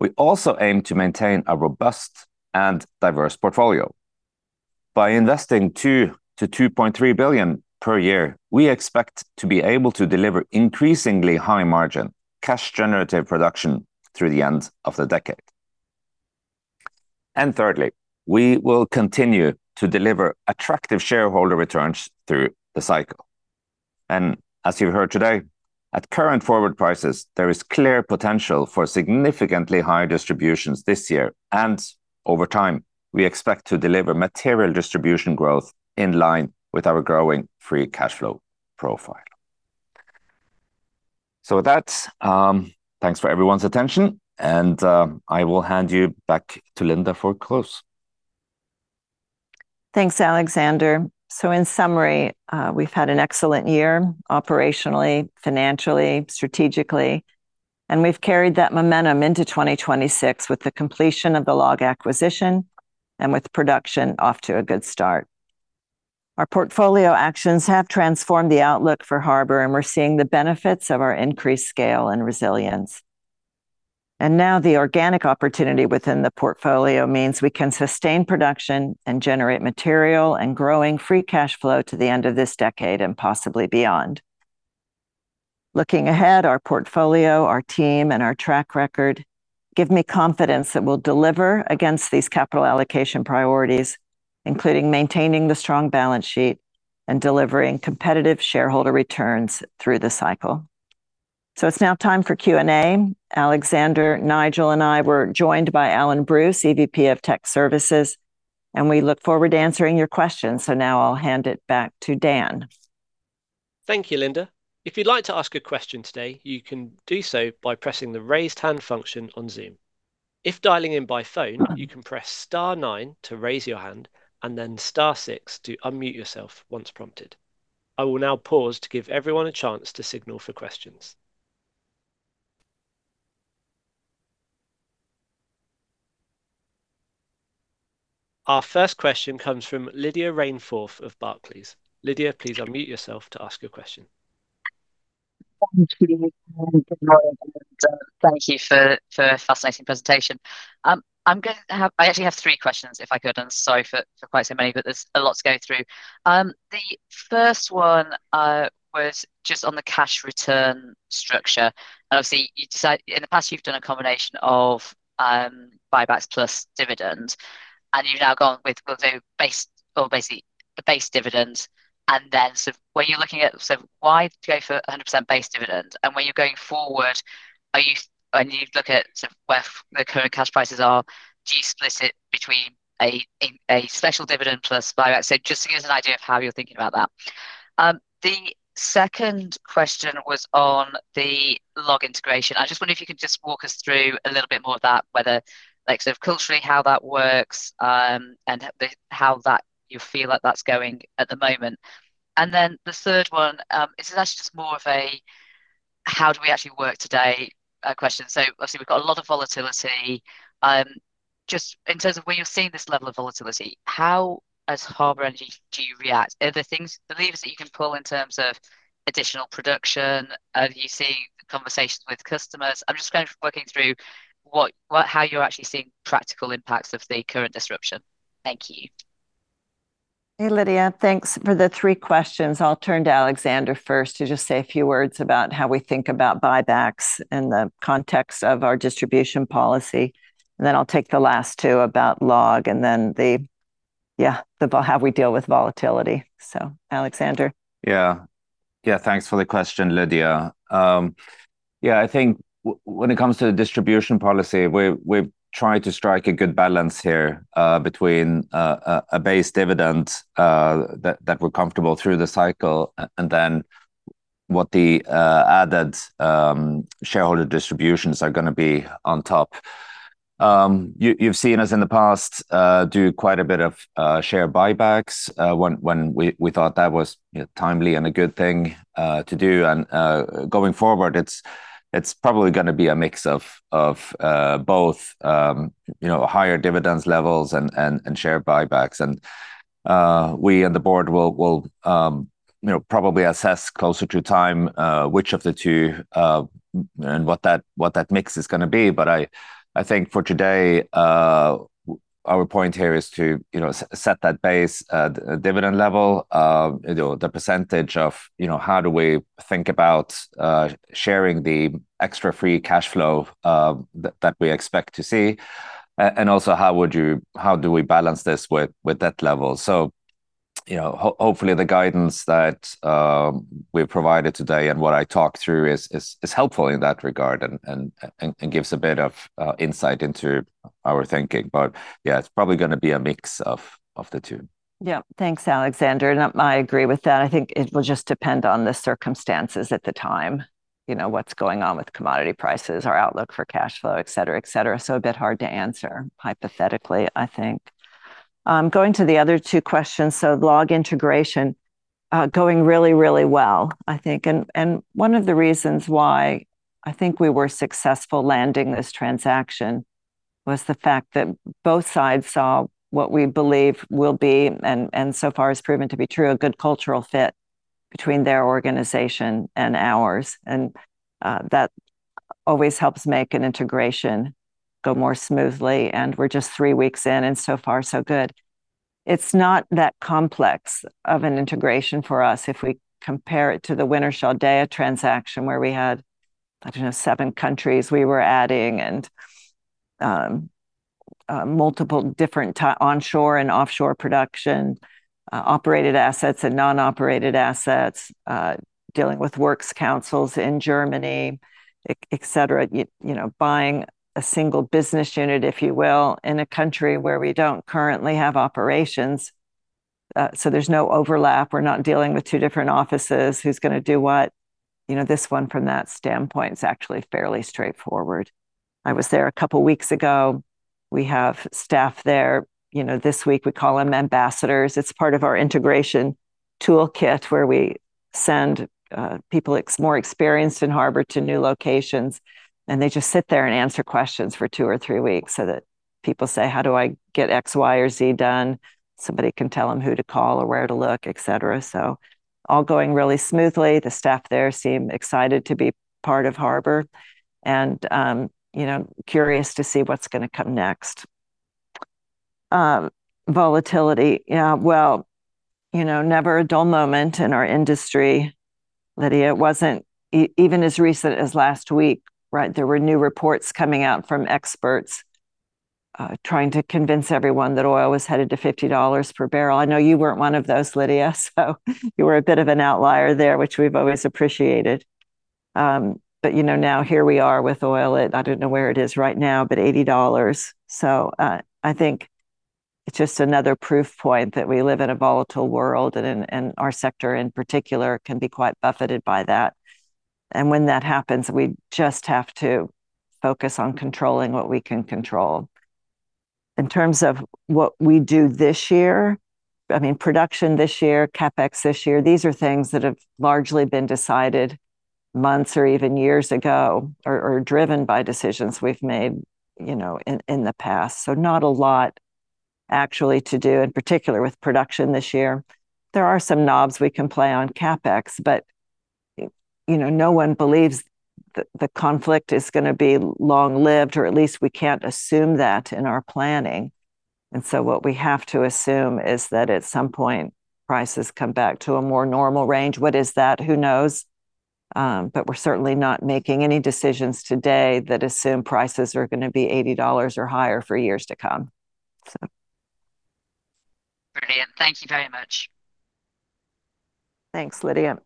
We also aim to maintain a robust and diverse portfolio. By investing $2 billion-$2.3 billion per year, we expect to be able to deliver increasingly high margin cash generative production through the end of the decade. Thirdly, we will continue to deliver attractive shareholder returns through the cycle. As you heard today, at current forward prices, there is clear potential for significantly higher distributions this year, and over time, we expect to deliver material distribution growth in line with our growing free cash flow profile. With that, thanks for everyone's attention and I will hand you back to Linda for close. Thanks, Alexander. In summary, we've had an excellent year operationally, financially, strategically, and we've carried that momentum into 2026 with the completion of the LLOG acquisition and with production off to a good start. Our portfolio actions have transformed the outlook for Harbour, we're seeing the benefits of our increased scale and resilience. Now the organic opportunity within the portfolio means we can sustain production and generate material and growing free cash flow to the end of this decade and possibly beyond. Looking ahead, our portfolio, our team, and our track record give me confidence that we'll deliver against these capital allocation priorities, including maintaining the strong balance sheet and delivering competitive shareholder returns through the cycle. It's now time for Q&A. Alexander, Nigel, and I were joined by Alan Bruce, EVP Technical Services, and we look forward to answering your questions. Now I'll hand it back to Dan. Thank you, Linda. If you'd like to ask a question today, you can do so by pressing the raise hand function on Zoom. If dialing in by phone. Uh-huh... you can press star nine to raise your hand and then star six to unmute yourself once prompted. I will now pause to give everyone a chance to signal for questions. Our first question comes from Lydia Rainforth of Barclays. Lydia, please unmute yourself to ask your question. Thank you. Good morning. Thank you for a fascinating presentation. I actually have three questions if I could, and sorry for quite so many, but there's a lot to go through. The first one was just on the cash return structure. Obviously in the past, you've done a combination of buybacks plus dividends, and you've now gone with, we'll do basically the base dividends. When you're looking at, why did you go for 100% base dividends? When you're going forward, are you, when you look at sort of where the current cash prices are, do you split it between a special dividend plus buyback? Just to give us an idea of how you're thinking about that. The second question was on the LLOG integration. I just wonder if you could just walk us through a little bit more of that, whether like sort of culturally, how that works, and the, how that you feel like that's going at the moment. The third one is actually just more of a how do we actually work today question. Obviously we've got a lot of volatility. Just in terms of where you're seeing this level of volatility, how as Harbour Energy do you react? Are there things, levers that you can pull in terms of additional production? Are you seeing conversations with customers? I'm just going from working through what how you're actually seeing practical impacts of the current disruption. Thank you. Hey, Lydia. Thanks for the three questions. I'll turn to Alexander first to just say a few words about how we think about buybacks in the context of our distribution policy, and then I'll take the last two about LLOG and then the, yeah, the how we deal with volatility. Alexander? Thanks for the question, Lydia. I think when it comes to the distribution policy, we've tried to strike a good balance here between a base dividend that we're comfortable through the cycle and then what the added shareholder distributions are gonna be on top. You've seen us in the past do quite a bit of share buybacks when we thought that was, you know, timely and a good thing to do. Going forward it's probably gonna be a mix of both, you know, higher dividends levels and share buybacks. We and the board will, you know, probably assess closer to time which of the two and what that mix is gonna be. I think for today, our point here is to, you know, set that base dividend level. You know, the percentage of, you know, how do we think about sharing the extra free cash flow that we expect to see, and also how do we balance this with that level. You know, hopefully the guidance that we've provided today and what I talked through is helpful in that regard and gives a bit of insight into our thinking. Yeah, it's probably gonna be a mix of the two. Yeah. Thanks, Alexander. I agree with that. I think it will just depend on the circumstances at the time, you know, what's going on with commodity prices, our outlook for cash flow, et cetera, et cetera. A bit hard to answer hypothetically, I think. Going to the other two questions. LLOG integration, going really well, I think, and one of the reasons why I think we were successful landing this transaction was the fact that both sides saw what we believe will be, and so far has proven to be true, a good cultural fit between their organization and ours. That always helps make an integration go more smoothly. We're just three weeks in, and so far so good. It's not that complex of an integration for us if we compare it to the Wintershall Dea transaction where we had, I don't know, seven countries we were adding, multiple different onshore and offshore production, operated assets and non-operated assets, dealing with works councils in Germany, et cetera. You, you know, buying a single business unit, if you will, in a country where we don't currently have operations. There's no overlap. We're not dealing with two different offices, who's gonna do what? You know, this one from that standpoint's actually fairly straightforward. I was there a couple weeks ago. We have staff there, you know, this week. We call 'em ambassadors. It's part of our integration toolkit where we send, people more experienced in Harbour to new locations, and they just sit there and answer questions for two or three weeks so that people say, "How do I get X, Y, or Z done?" Somebody can tell 'em who to call or where to look, et cetera. All going really smoothly. The staff there seem excited to be part of Harbour and, you know, curious to see what's gonna come next. Volatility. Yeah, well, you know, never a dull moment in our industry, Lydia. It wasn't even as recent as last week, right? There were new reports coming out from experts, trying to convince everyone that oil was headed to $50 per barrel. I know you weren't one of those, Lydia, so you were a bit of an outlier there, which we've always appreciated. You know, now here we are with oil at, I don't know where it is right now, but $80. I think it's just another proof point that we live in a volatile world and, and our sector in particular can be quite buffeted by that. When that happens, we just have to focus on controlling what we can control. In terms of what we do this year, I mean, production this year, CapEx this year, these are things that have largely been decided months or even years ago or driven by decisions we've made, you know, in the past. Not a lot actually to do in particular with production this year. There are some knobs we can play on CapEx, but, you know, no one believes the conflict is gonna be long-lived or at least we can't assume that in our planning. What we have to assume is that at some point prices come back to a more normal range. What is that? Who knows? We're certainly not making any decisions today that assume prices are gonna be $80 or higher for years to come, so. Brilliant. Thank you very much. Thanks, Lydia.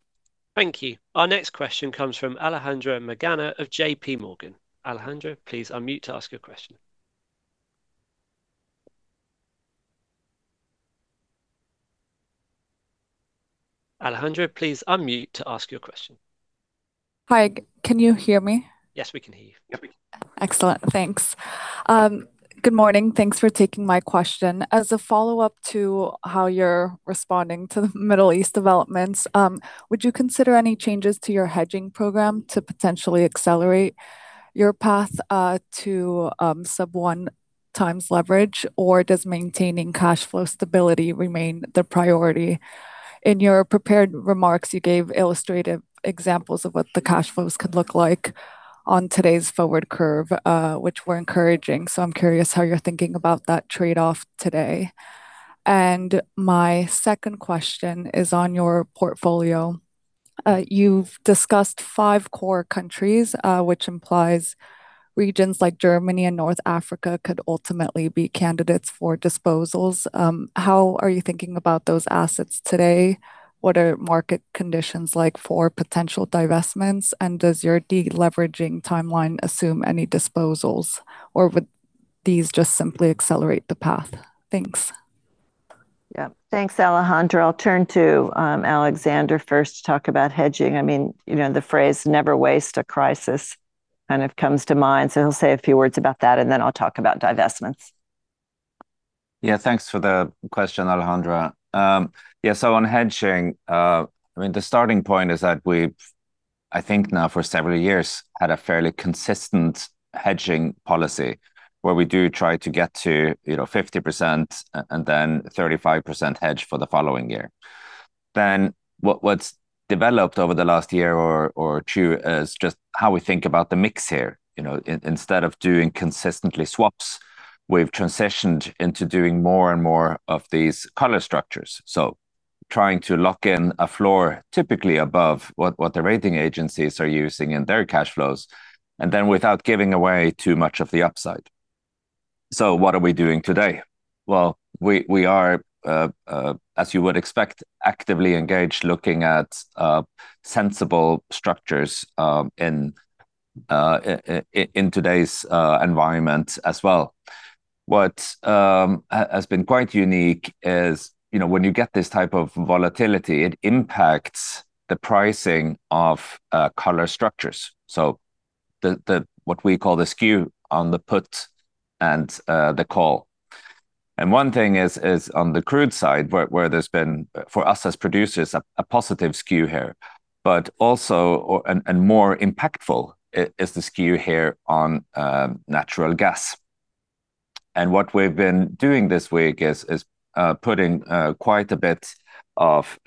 Thank you. Our next question comes from Alejandra Magana of JPMorgan. Alejandra, please unmute to ask your question. Hi. Can you hear me? Yes, we can hear you. Excellent. Thanks. Good morning. Thanks for taking my question. As a follow-up to how you're responding to the Middle East developments, would you consider any changes to your hedging program to potentially accelerate your path to sub one times leverage, or does maintaining cash flow stability remain the priority? In your prepared remarks, you gave illustrative examples of what the cash flows could look like on today's forward curve, which were encouraging, so I'm curious how you're thinking about that trade-off today. My second question is on your portfolio. You've discussed five core countries, which implies regions like Germany and North Africa could ultimately be candidates for disposals. How are you thinking about those assets today? What are market conditions like for potential divestments, and does your de-leveraging timeline assume any disposals, or would these just simply accelerate the path? Thanks. Yeah. Thanks, Alejandra. I'll turn to Alexander first to talk about hedging. I mean, you know the phrase never waste a crisis kind of comes to mind. He'll say a few words about that. Then I'll talk about divestments. Thanks for the question, Alejandra. On hedging, I mean, the starting point is that we've, I think now for several years, had a fairly consistent hedging policy where we do try to get to, you know, 50% and then 35% hedge for the following year. What's developed over the last year or two is just how we think about the mix here. You know, instead of doing consistently swaps, we've transitioned into doing more and more of these collar structures. Trying to lock in a floor typically above what the rating agencies are using in their cash flows and then without giving away too much of the upside. What are we doing today? Well, we are, as you would expect, actively engaged, looking at sensible structures, in today's environment as well. What has been quite unique is, you know, when you get this type of volatility, it impacts the pricing of collar structures, so what we call the skew on the put and the call. One thing is on the crude side where there's been for us as producers, a positive skew here, but also and more impactful is the skew here on natural gas. What we've been doing this week is putting quite a bit of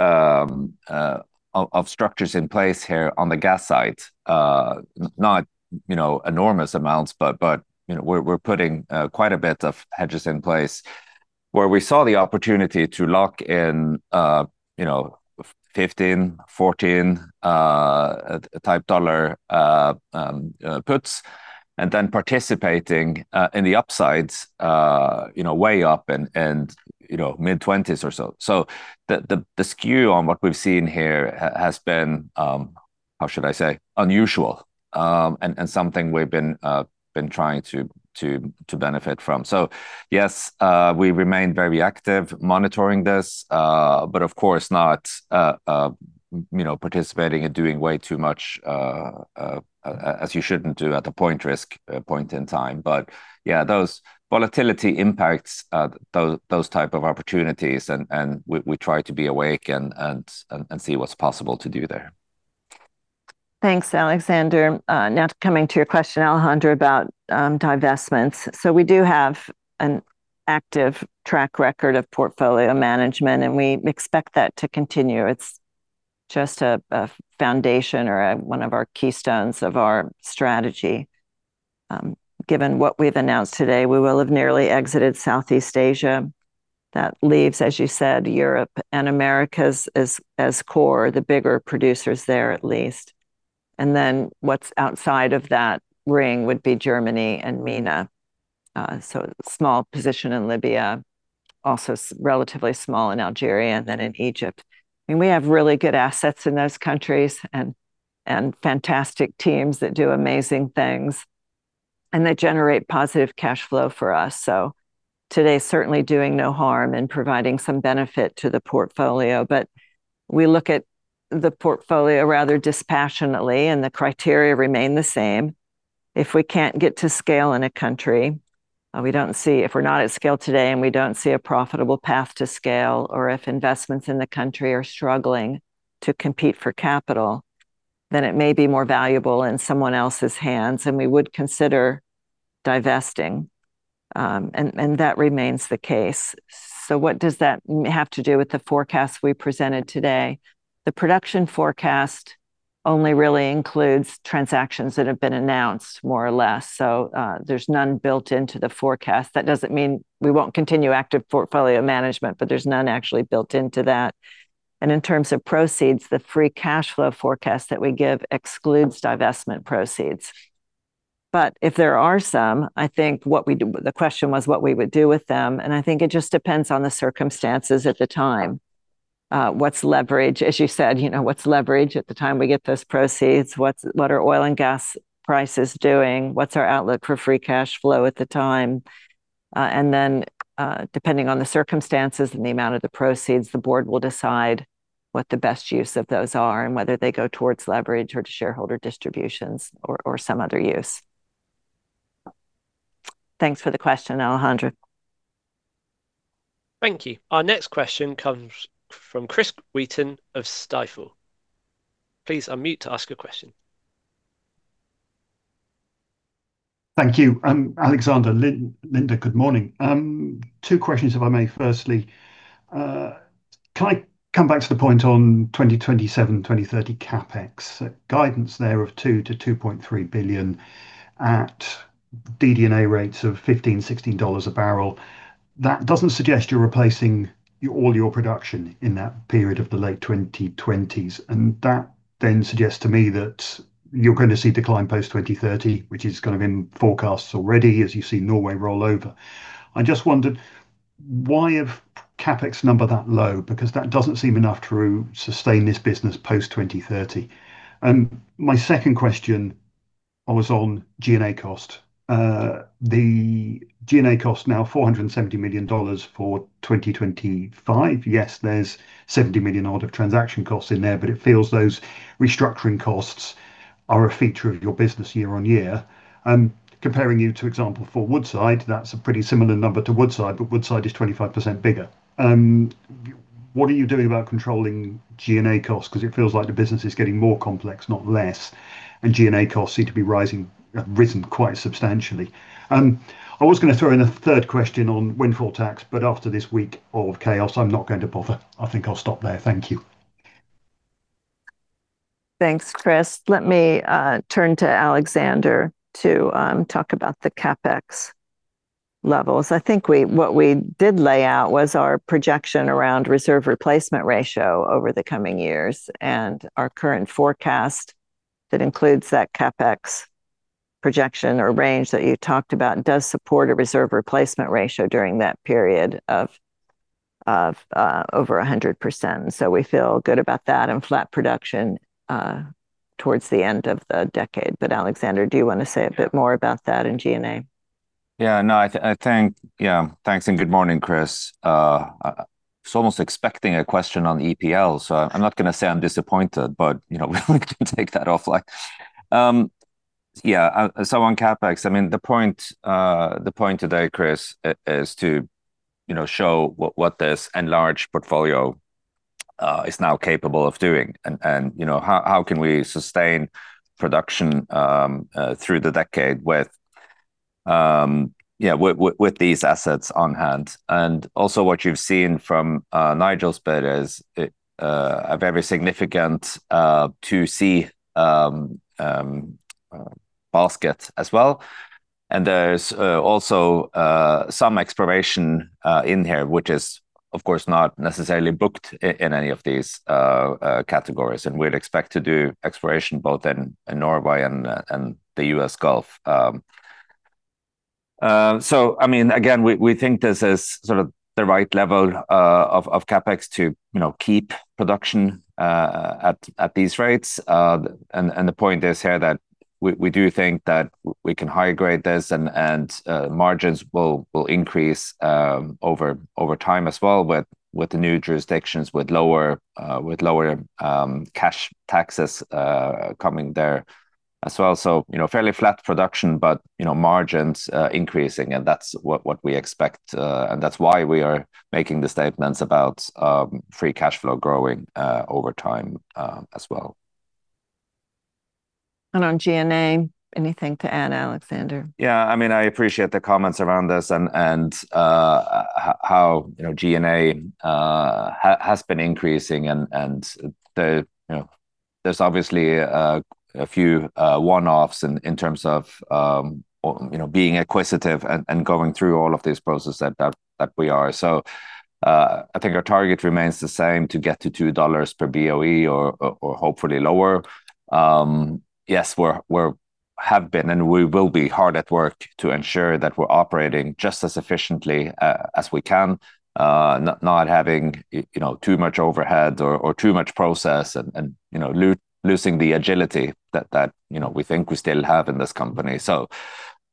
structures in place here on the gas side. Not, you know, enormous amounts, but, you know, we're putting quite a bit of hedges in place where we saw the opportunity to lock in, you know, $15, $14 type dollar puts and then participating in the upsides, you know, way up and, you know, mid-$20s or so. The skew on what we've seen here has been, how should I say, unusual. And something we've been trying to benefit from. Yes, we remain very active monitoring this, but of course not, you know, participating and doing way too much as you shouldn't do at the point risk point in time. Yeah, those volatility impacts, those type of opportunities and we try to be awake and see what's possible to do there. Thanks, Alexander. Now coming to your question, Alejandra, about divestments. We do have an active track record of portfolio management, and we expect that to continue. It's just a foundation or one of our keystones of our strategy. Given what we've announced today, we will have nearly exited Southeast Asia. That leaves, as you said, Europe, and Americas as core, the bigger producers there at least. What's outside of that ring would be Germany and MENA. Small position in Libya, also relatively small in Algeria and then in Egypt. I mean, we have really good assets in those countries and fantastic teams that do amazing things and that generate positive cash flow for us. Today, certainly doing no harm and providing some benefit to the portfolio. We look at the portfolio rather dispassionately, and the criteria remain the same. If we can't get to scale in a country, if we're not at scale today and we don't see a profitable path to scale, or if investments in the country are struggling to compete for capital, then it may be more valuable in someone else's hands, and we would consider divesting. That remains the case. What does that have to do with the forecast we presented today? The production forecast only really includes transactions that have been announced more or less. There's none built into the forecast. That doesn't mean we won't continue active portfolio management, but there's none actually built into that. In terms of proceeds, the free cash flow forecast that we give excludes divestment proceeds. If there are some, I think the question was what we would do with them, and I think it just depends on the circumstances at the time. What's leverage? As you said, you know, what's leverage at the time we get those proceeds? What are oil and gas prices doing? What's our outlook for free cash flow at the time? Then, depending on the circumstances and the amount of the proceeds, the board will decide what the best use of those are and whether they go towards leverage or to shareholder distributions or some other use. Thanks for the question, Alejandro. Thank you. Our next question comes from Christopher Wheaton of Stifel. Please unmute to ask your question. Thank you. Alexander, Linda, good morning. Two questions, if I may. Firstly, can I come back to the point on 2027, 2030 CapEx? Guidance there of $2 billion-$2.3 billion at DD&A rates of $15-$16 a barrel. That doesn't suggest you're replacing your, all your production in that period of the late 2020s. That then suggests to me that you're gonna see decline post 2030, which is kind of in forecasts already as you see Norway roll over. I just wondered, why have CapEx number that low? Because that doesn't seem enough to sustain this business post 2030. My second question was on G&A cost. The G&A cost now $470 million for 2025. There's $70 million odd of transaction costs in there. It feels those restructuring costs are a feature of your business year-on-year. Comparing you to example, for Woodside, that's a pretty similar number to Woodside. Woodside is 25% bigger. What are you doing about controlling G&A costs? 'Cause it feels like the business is getting more complex, not less. G&A costs seem to be rising, have risen quite substantially. I was gonna throw in a third question on windfall tax. After this week of chaos, I'm not going to bother. I think I'll stop there. Thank you. Thanks, Chris. Let me turn to Alexander to talk about the CapEx levels. I think we, what we did lay out was our projection around reserve replacement ratio over the coming years. Our current forecast that includes that CapEx projection or range that you talked about does support a reserve replacement ratio during that period of over 100%. We feel good about that and flat production towards the end of the decade. Alexander, do you wanna say a bit more about that and G&A? No, thanks and good morning, Chris. I was almost expecting a question on the EPL, so I'm not gonna say I'm disappointed, but, you know, we can take that off like. So on CapEx, I mean, the point, the point today, Chris, is to, you know, show what this enlarged portfolio is now capable of doing and, you know, how can we sustain production through the decade with these assets on hand. Also what you've seen from Nigel's bit is a very significant 2C basket as well. There's also some exploration in here, which is, of course, not necessarily booked in any of these categories. We'd expect to do exploration both in Norway and the US Gulf. I mean, again, we think this is sort of the right level of CapEx to, you know, keep production at these rates. The point is here that we do think that we can high-grade this and margins will increase over time as well with the new jurisdictions, with lower cash taxes coming there as well. You know, fairly flat production but, you know, margins increasing, and that's what we expect. That's why we are making the statements about free cash flow growing over time as well. On G&A, anything to add, Alexander? Yeah. I mean, I appreciate the comments around this and how, you know, G&A has been increasing and the, you know, there's obviously a few one-offs in terms of, or, you know, being acquisitive and going through all of these process that we are. I think our target remains the same, to get to $2 per BOE or hopefully lower. Yes, we have been, and we will be hard at work to ensure that we're operating just as efficiently as we can, not having, you know, too much overhead or too much process and, you know, losing the agility that, you know, we think we still have in this company.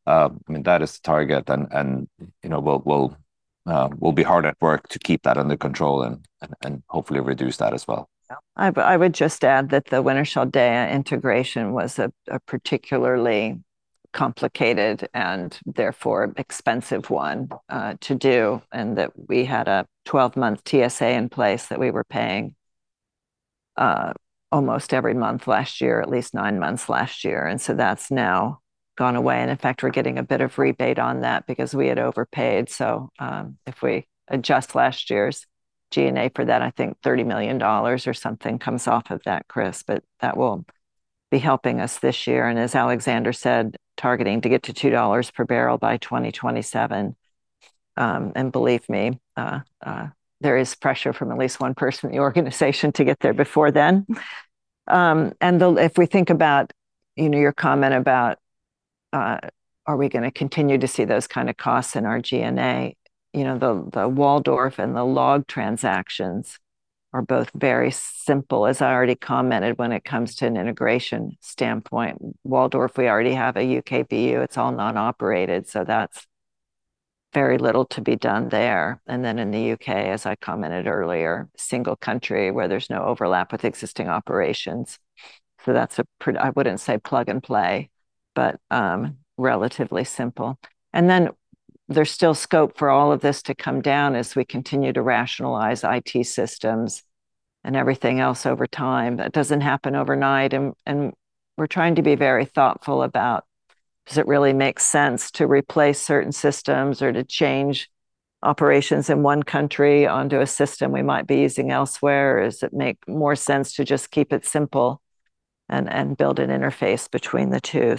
I mean, that is the target and, you know, we'll be hard at work to keep that under control and hopefully reduce that as well. Yeah. I would just add that the Wintershall Dea integration was a particularly complicated, and therefore expensive one to do, that we had a 12-month TSA in place that we were paying almost every month last year, at least nine months last year, that's now gone away. In fact, we're getting a bit of rebate on that because we had overpaid. If we adjust last year's G&A for that, I think $30 million or something comes off of that, Chris, but that will be helping us this year. As Alexander said, targeting to get to $2 per barrel by 2027. Believe me, there is pressure from at least one person in the organization to get there before then. The... If we think about, you know, your comment about, are we gonna continue to see those kinda costs in our G&A? You know, the Waldorf and the LLOG transactions are both very simple, as I already commented, when it comes to an integration standpoint. Waldorf, we already have a UK VU. It's all non-operated, so that's very little to be done there. In the UK, as I commented earlier, single country where there's no overlap with existing operations. That's a I wouldn't say plug and play, but relatively simple. There's still scope for all of this to come down as we continue to rationalize IT systems and everything else over time. That doesn't happen overnight and we're trying to be very thoughtful about does it really make sense to replace certain systems or to change operations in one country onto a system we might be using elsewhere? Or does it make more sense to just keep it simple and build an interface between the two?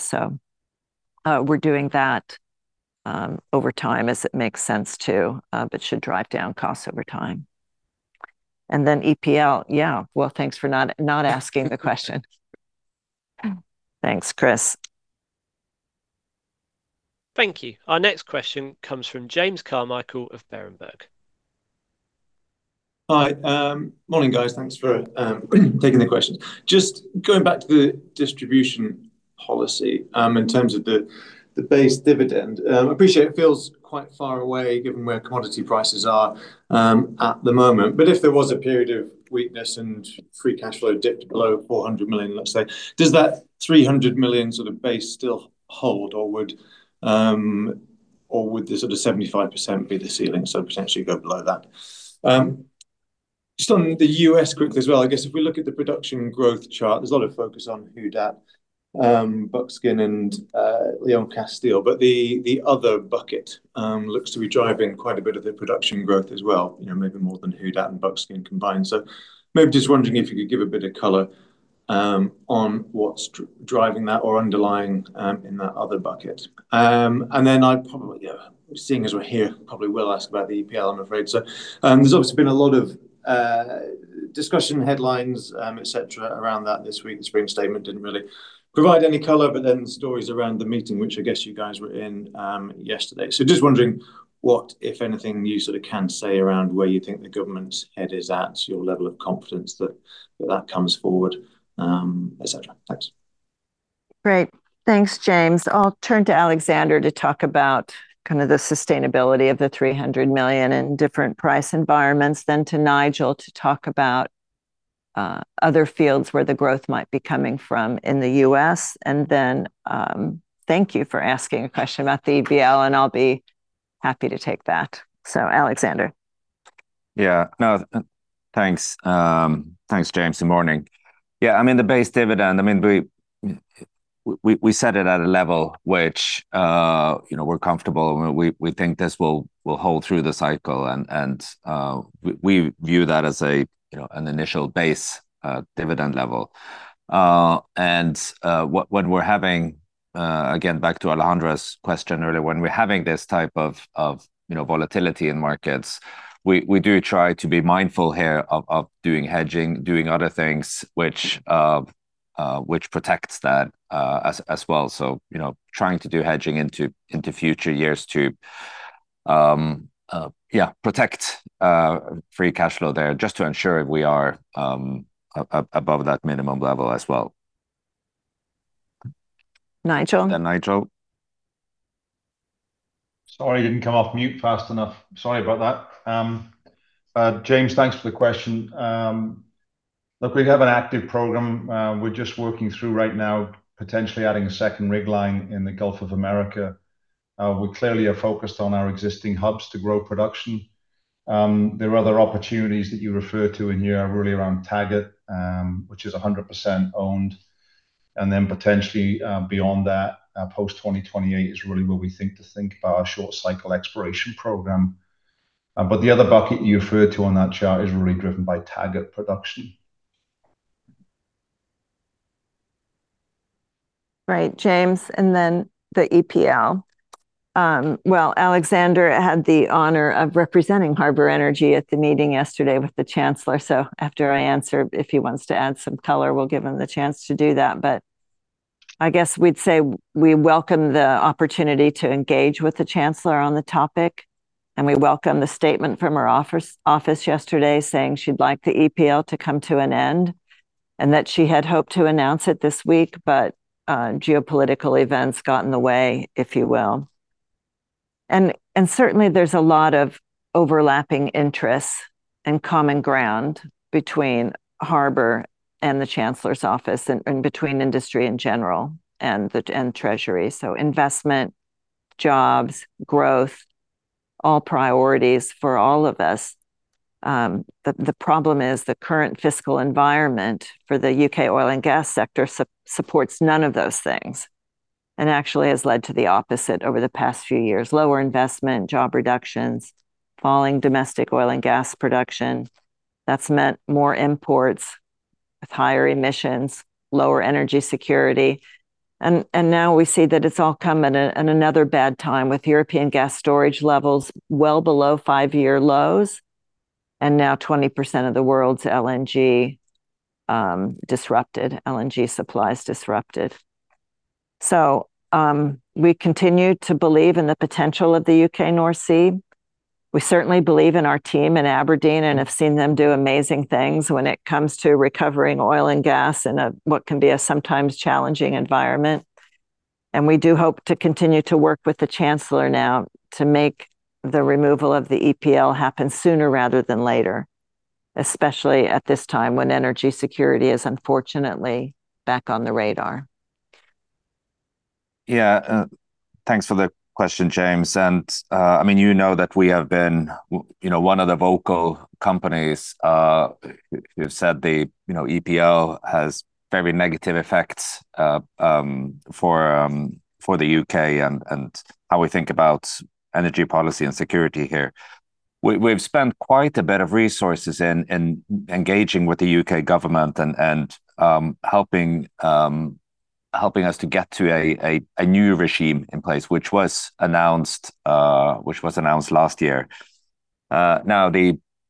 We're doing that over time as it makes sense to, but should drive down costs over time. Then EPL, yeah. Well, thanks for not asking the question. Thanks, Chris. Thank you. Our next question comes from James Carmichael of Berenberg. Hi. Morning, guys. Thanks for taking the questions. Just going back to the distribution policy, in terms of the base dividend. Appreciate it feels quite far away given where commodity prices are at the moment. If there was a period of weakness and free cash flow dipped below $400 million, let's say, does that $300 million sort of base still hold or would the sort of 75% be the ceiling, so potentially go below that? Just on the U.S. quickly as well, I guess if we look at the production growth chart, there's a lot of focus on Who Dat, Buckskin, and Leon-Castile, the other bucket looks to be driving quite a bit of the production growth as well, you know, maybe more than Who Dat and Buckskin combined. Maybe just wondering if you could give a bit of color on what's driving that or underlying in that other bucket. Then I'd probably, yeah, seeing as we're here, probably will ask about the EPL, I'm afraid so. There's obviously been a lot of discussion headlines, et cetera, around that this week. The spring statement didn't really provide any color, but then stories around the meeting, which I guess you guys were in yesterday. Just wondering what, if anything, you sort of can say around where you think the government's head is at, your level of confidence that that comes forward, et cetera. Thanks. Great. Thanks, James. I'll turn to Alexander to talk about kind of the sustainability of the $300 million in different price environments, then to Nigel to talk about, other fields where the growth might be coming from in the US. Thank you for asking a question about the EPL, and I'll be happy to take that. Alexander. No, thanks, James, and morning. I mean, the base dividend, I mean, we set it at a level which, you know, we're comfortable and we think this will hold through the cycle and we view that as a, you know, an initial base dividend level. When we're having, again, back to Alejandra's question earlier, when we're having this type of you know, volatility in markets, we do try to be mindful here of doing hedging, doing other things which protects that as well. You know, trying to do hedging into future years to protect free cash flow there just to ensure we are above that minimum level as well. Nigel? Nigel. Sorry, I didn't come off mute fast enough. Sorry about that. James, thanks for the question. Look, we have an active program, we're just working through right now, potentially adding a second rig line in the Gulf of Mexico. We clearly are focused on our existing hubs to grow production. There are other opportunities that you refer to in here really around Taggart, which is 100% owned, and then potentially, beyond that, post-2028 is really where we think to think about our short cycle exploration program. The other bucket you referred to on that chart is really driven by Taggart production. Right. James, and then the EPL. Well, Alexander had the honor of representing Harbour Energy at the meeting yesterday with the Chancellor, so after I answer, if he wants to add some color, we'll give him the chance to do that. I guess we'd say we welcome the opportunity to engage with the Chancellor on the topic, and we welcome the statement from her office yesterday saying she'd like the EPL to come to an end, and that she had hoped to announce it this week, geopolitical events got in the way, if you will. Certainly there's a lot of overlapping interests and common ground between Harbour and the Chancellor's office and between industry in general and Treasury. Investment, jobs, growth, all priorities for all of us. The problem is, the current fiscal environment for the UK oil and gas sector supports none of those things, actually has led to the opposite over the past few years. Lower investment, job reductions, falling domestic oil and gas production. That's meant more imports with higher emissions, lower energy security. Now we see that it's all come at another bad time with European gas storage levels well below five-year lows, 20% of the world's LNG supplies disrupted. We continue to believe in the potential of the UK North Sea. We certainly believe in our team in Aberdeen and have seen them do amazing things when it comes to recovering oil and gas in a, what can be a sometimes challenging environment. We do hope to continue to work with the Chancellor now to make the removal of the EPL happen sooner rather than later, especially at this time when energy security is unfortunately back on the radar. Yeah. Thanks for the question, James. I mean, you know that we have been you know, one of the vocal companies, who have said the, you know, EPL has very negative effects for the UK and how we think about energy policy and security here. We've spent quite a bit of resources in engaging with the UK government and helping us to get to a new regime in place, which was announced last year. Now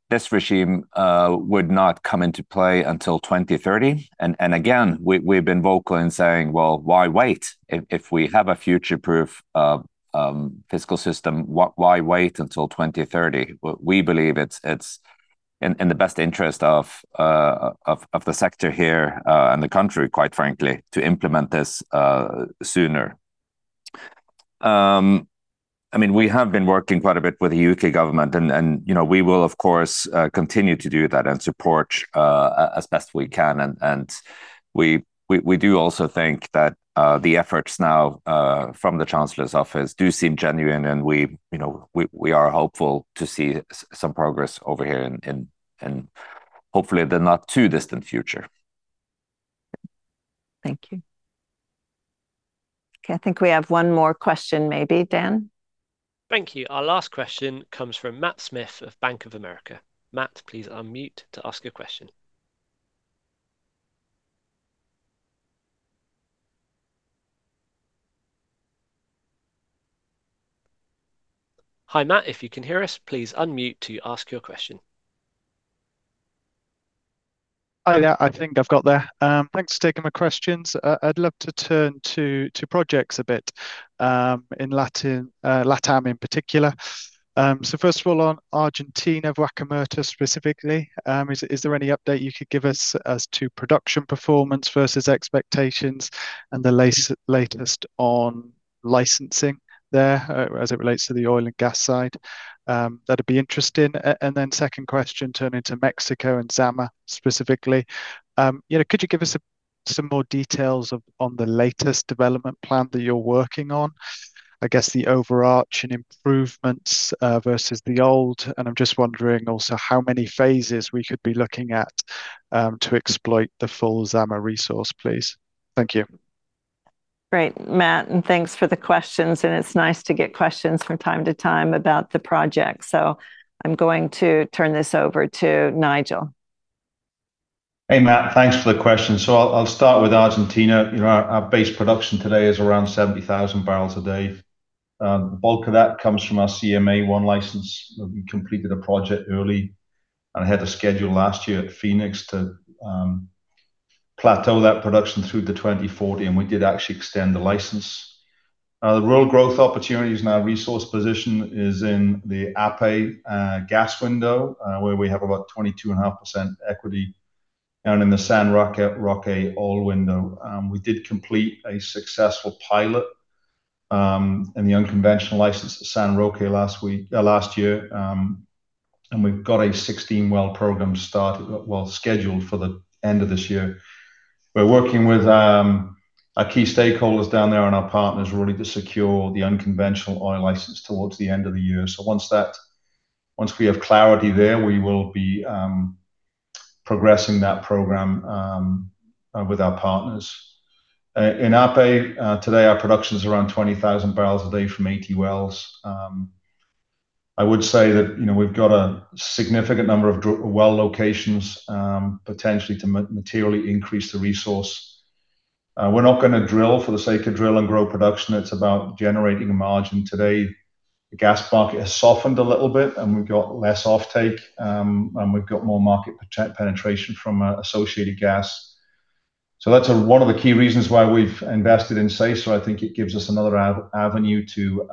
this regime would not come into play until 2030. Again, we've been vocal in saying, "Well, why wait? If we have a future-proof fiscal system, why wait until 2030? We believe it's in the best interest of the sector here and the country, quite frankly, to implement this sooner. I mean, we have been working quite a bit with the UK government and, you know, we will of course continue to do that and support as best we can. We do also think that the efforts now from the Chancellor's office do seem genuine and, you know, we are hopeful to see some progress over here in, hopefully, the not too distant future. Thank you. Okay, I think we have one more question maybe. Dan? Thank you. Our last question comes from Matt Smith of Bank of America. Matt, please unmute to ask your question. Hi, Matt, if you can hear us, please unmute to ask your question. Hi, there. I think I've got there. Thanks for taking my questions. I'd love to turn to projects a bit in Latin, LatAm in particular. So first of all, on Argentina, Vaca Muerta specifically, is there any update you could give us as to production performance versus expectations and the latest on licensing there as it relates to the oil and gas side? That'd be interesting. Then second question, turning to Mexico and Zama specifically, you know, could you give us some more details of on the latest development plan that you're working on? I guess the overarching improvements versus the old, and I'm just wondering also how many phases we could be looking at to exploit the full Zama resource, please. Thank you. Great, Matt, and thanks for the questions, and it's nice to get questions from time to time about the project. I'm going to turn this over to Nigel. Hey, Matt, thanks for the question. I'll start with Argentina. You know, our base production today is around 70,000 barrels a day. The bulk of that comes from our CMA 1 license. We completed a project early and I had a schedule last year at Phoenix to plateau that production through to 2040. We did actually extend the license. The real growth opportunities in our resource position is in the Apeh gas window, where we have about 22.5% equity, and in the San Roque oil window. We did complete a successful pilot in the unconventional license at San Roque last year. We've got a 16-well program scheduled for the end of this year. We're working with our key stakeholders down there and our partners really to secure the unconventional production license towards the end of the year. Once we have clarity there, we will be progressing that program with our partners. In Ape, today our production is around 20,000 barrels a day from 80 wells. I would say that, you know, we've got a significant number of well locations, potentially to materially increase the resource. We're not gonna drill for the sake of drill and grow production. It's about generating a margin. Today, the gas market has softened a little bit, and we've got less offtake, and we've got more market penetration from associated gas. That's one of the key reasons why we've invested in Cesar. I think it gives us another avenue to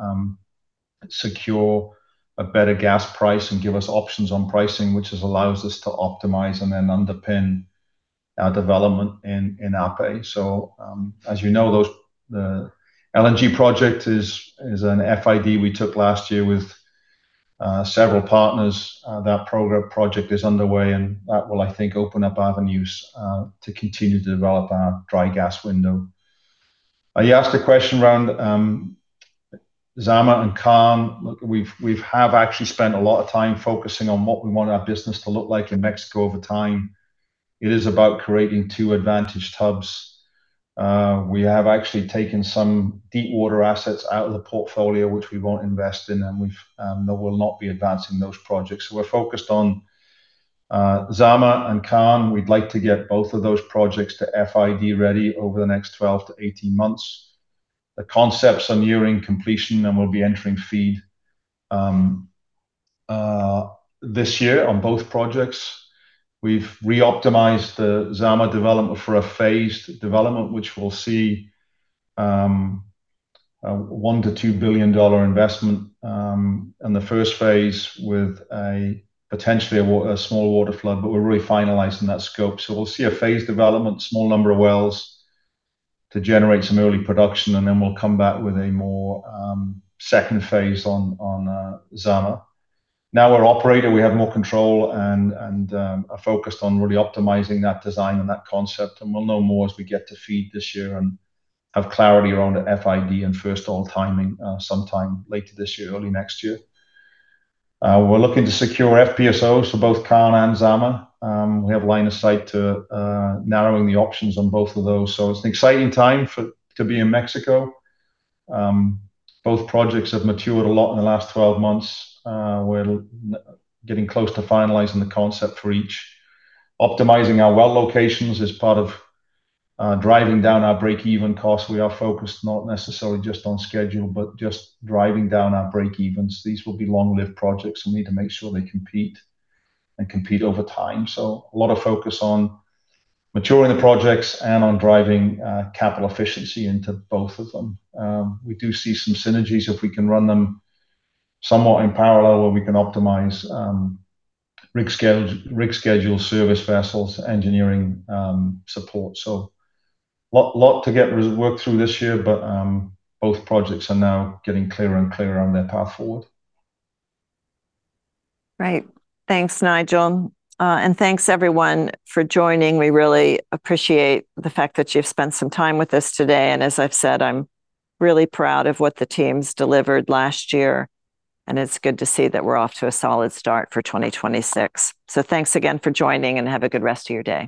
secure a better gas price and give us options on pricing, which is allows us to optimize and then underpin our development in Apeh. As you know, The LNG project is an FID we took last year with several partners. That project is underway, and that will, I think, open up avenues to continue to develop our dry gas window. You asked a question around Zama and Khan. We've actually spent a lot of time focusing on what we want our business to look like in Mexico over time. It is about creating two advantage hubs. We have actually taken some deep water assets out of the portfolio, which we won't invest in, and we've, they will not be advancing those projects. We're focused on Zama and Khan. We'd like to get both of those projects to FID-ready over the next 12 to 18 months. The concepts are nearing completion. We'll be entering FEED this year on both projects. We've reoptimized the Zama development for a phased development, which will see a $1 billion-$2 billion investment in the first phase with a potentially a small waterflood. We're really finalizing that scope. We'll see a phased development, small number of wells to generate some early production, and then we'll come back with a more second phase on Zama. Now we're operator, we have more control and are focused on really optimizing that design and that concept, and we'll know more as we get to FEED this year and have clarity around the FID and first oil timing, sometime later this year, early next year. We're looking to secure FPSOs for both Khan and Zama. We have line of sight to narrowing the options on both of those. It's an exciting time to be in Mexico. Both projects have matured a lot in the last 12 months. We're getting close to finalizing the concept for each. Optimizing our well locations is part of driving down our break-even cost. We are focused not necessarily just on schedule, but just driving down our break-evens. These will be long-lived projects. We need to make sure they compete and compete over time. A lot of focus on maturing the projects and on driving capital efficiency into both of them. We do see some synergies if we can run them somewhat in parallel where we can optimize rig schedule, service vessels, engineering, support. Lot to get worked through this year, but both projects are now getting clearer and clearer on their path forward. Right. Thanks, Nigel. Thanks everyone for joining. We really appreciate the fact that you've spent some time with us today. As I've said, I'm really proud of what the team's delivered last year, and it's good to see that we're off to a solid start for 2026. Thanks again for joining, and have a good rest of your day.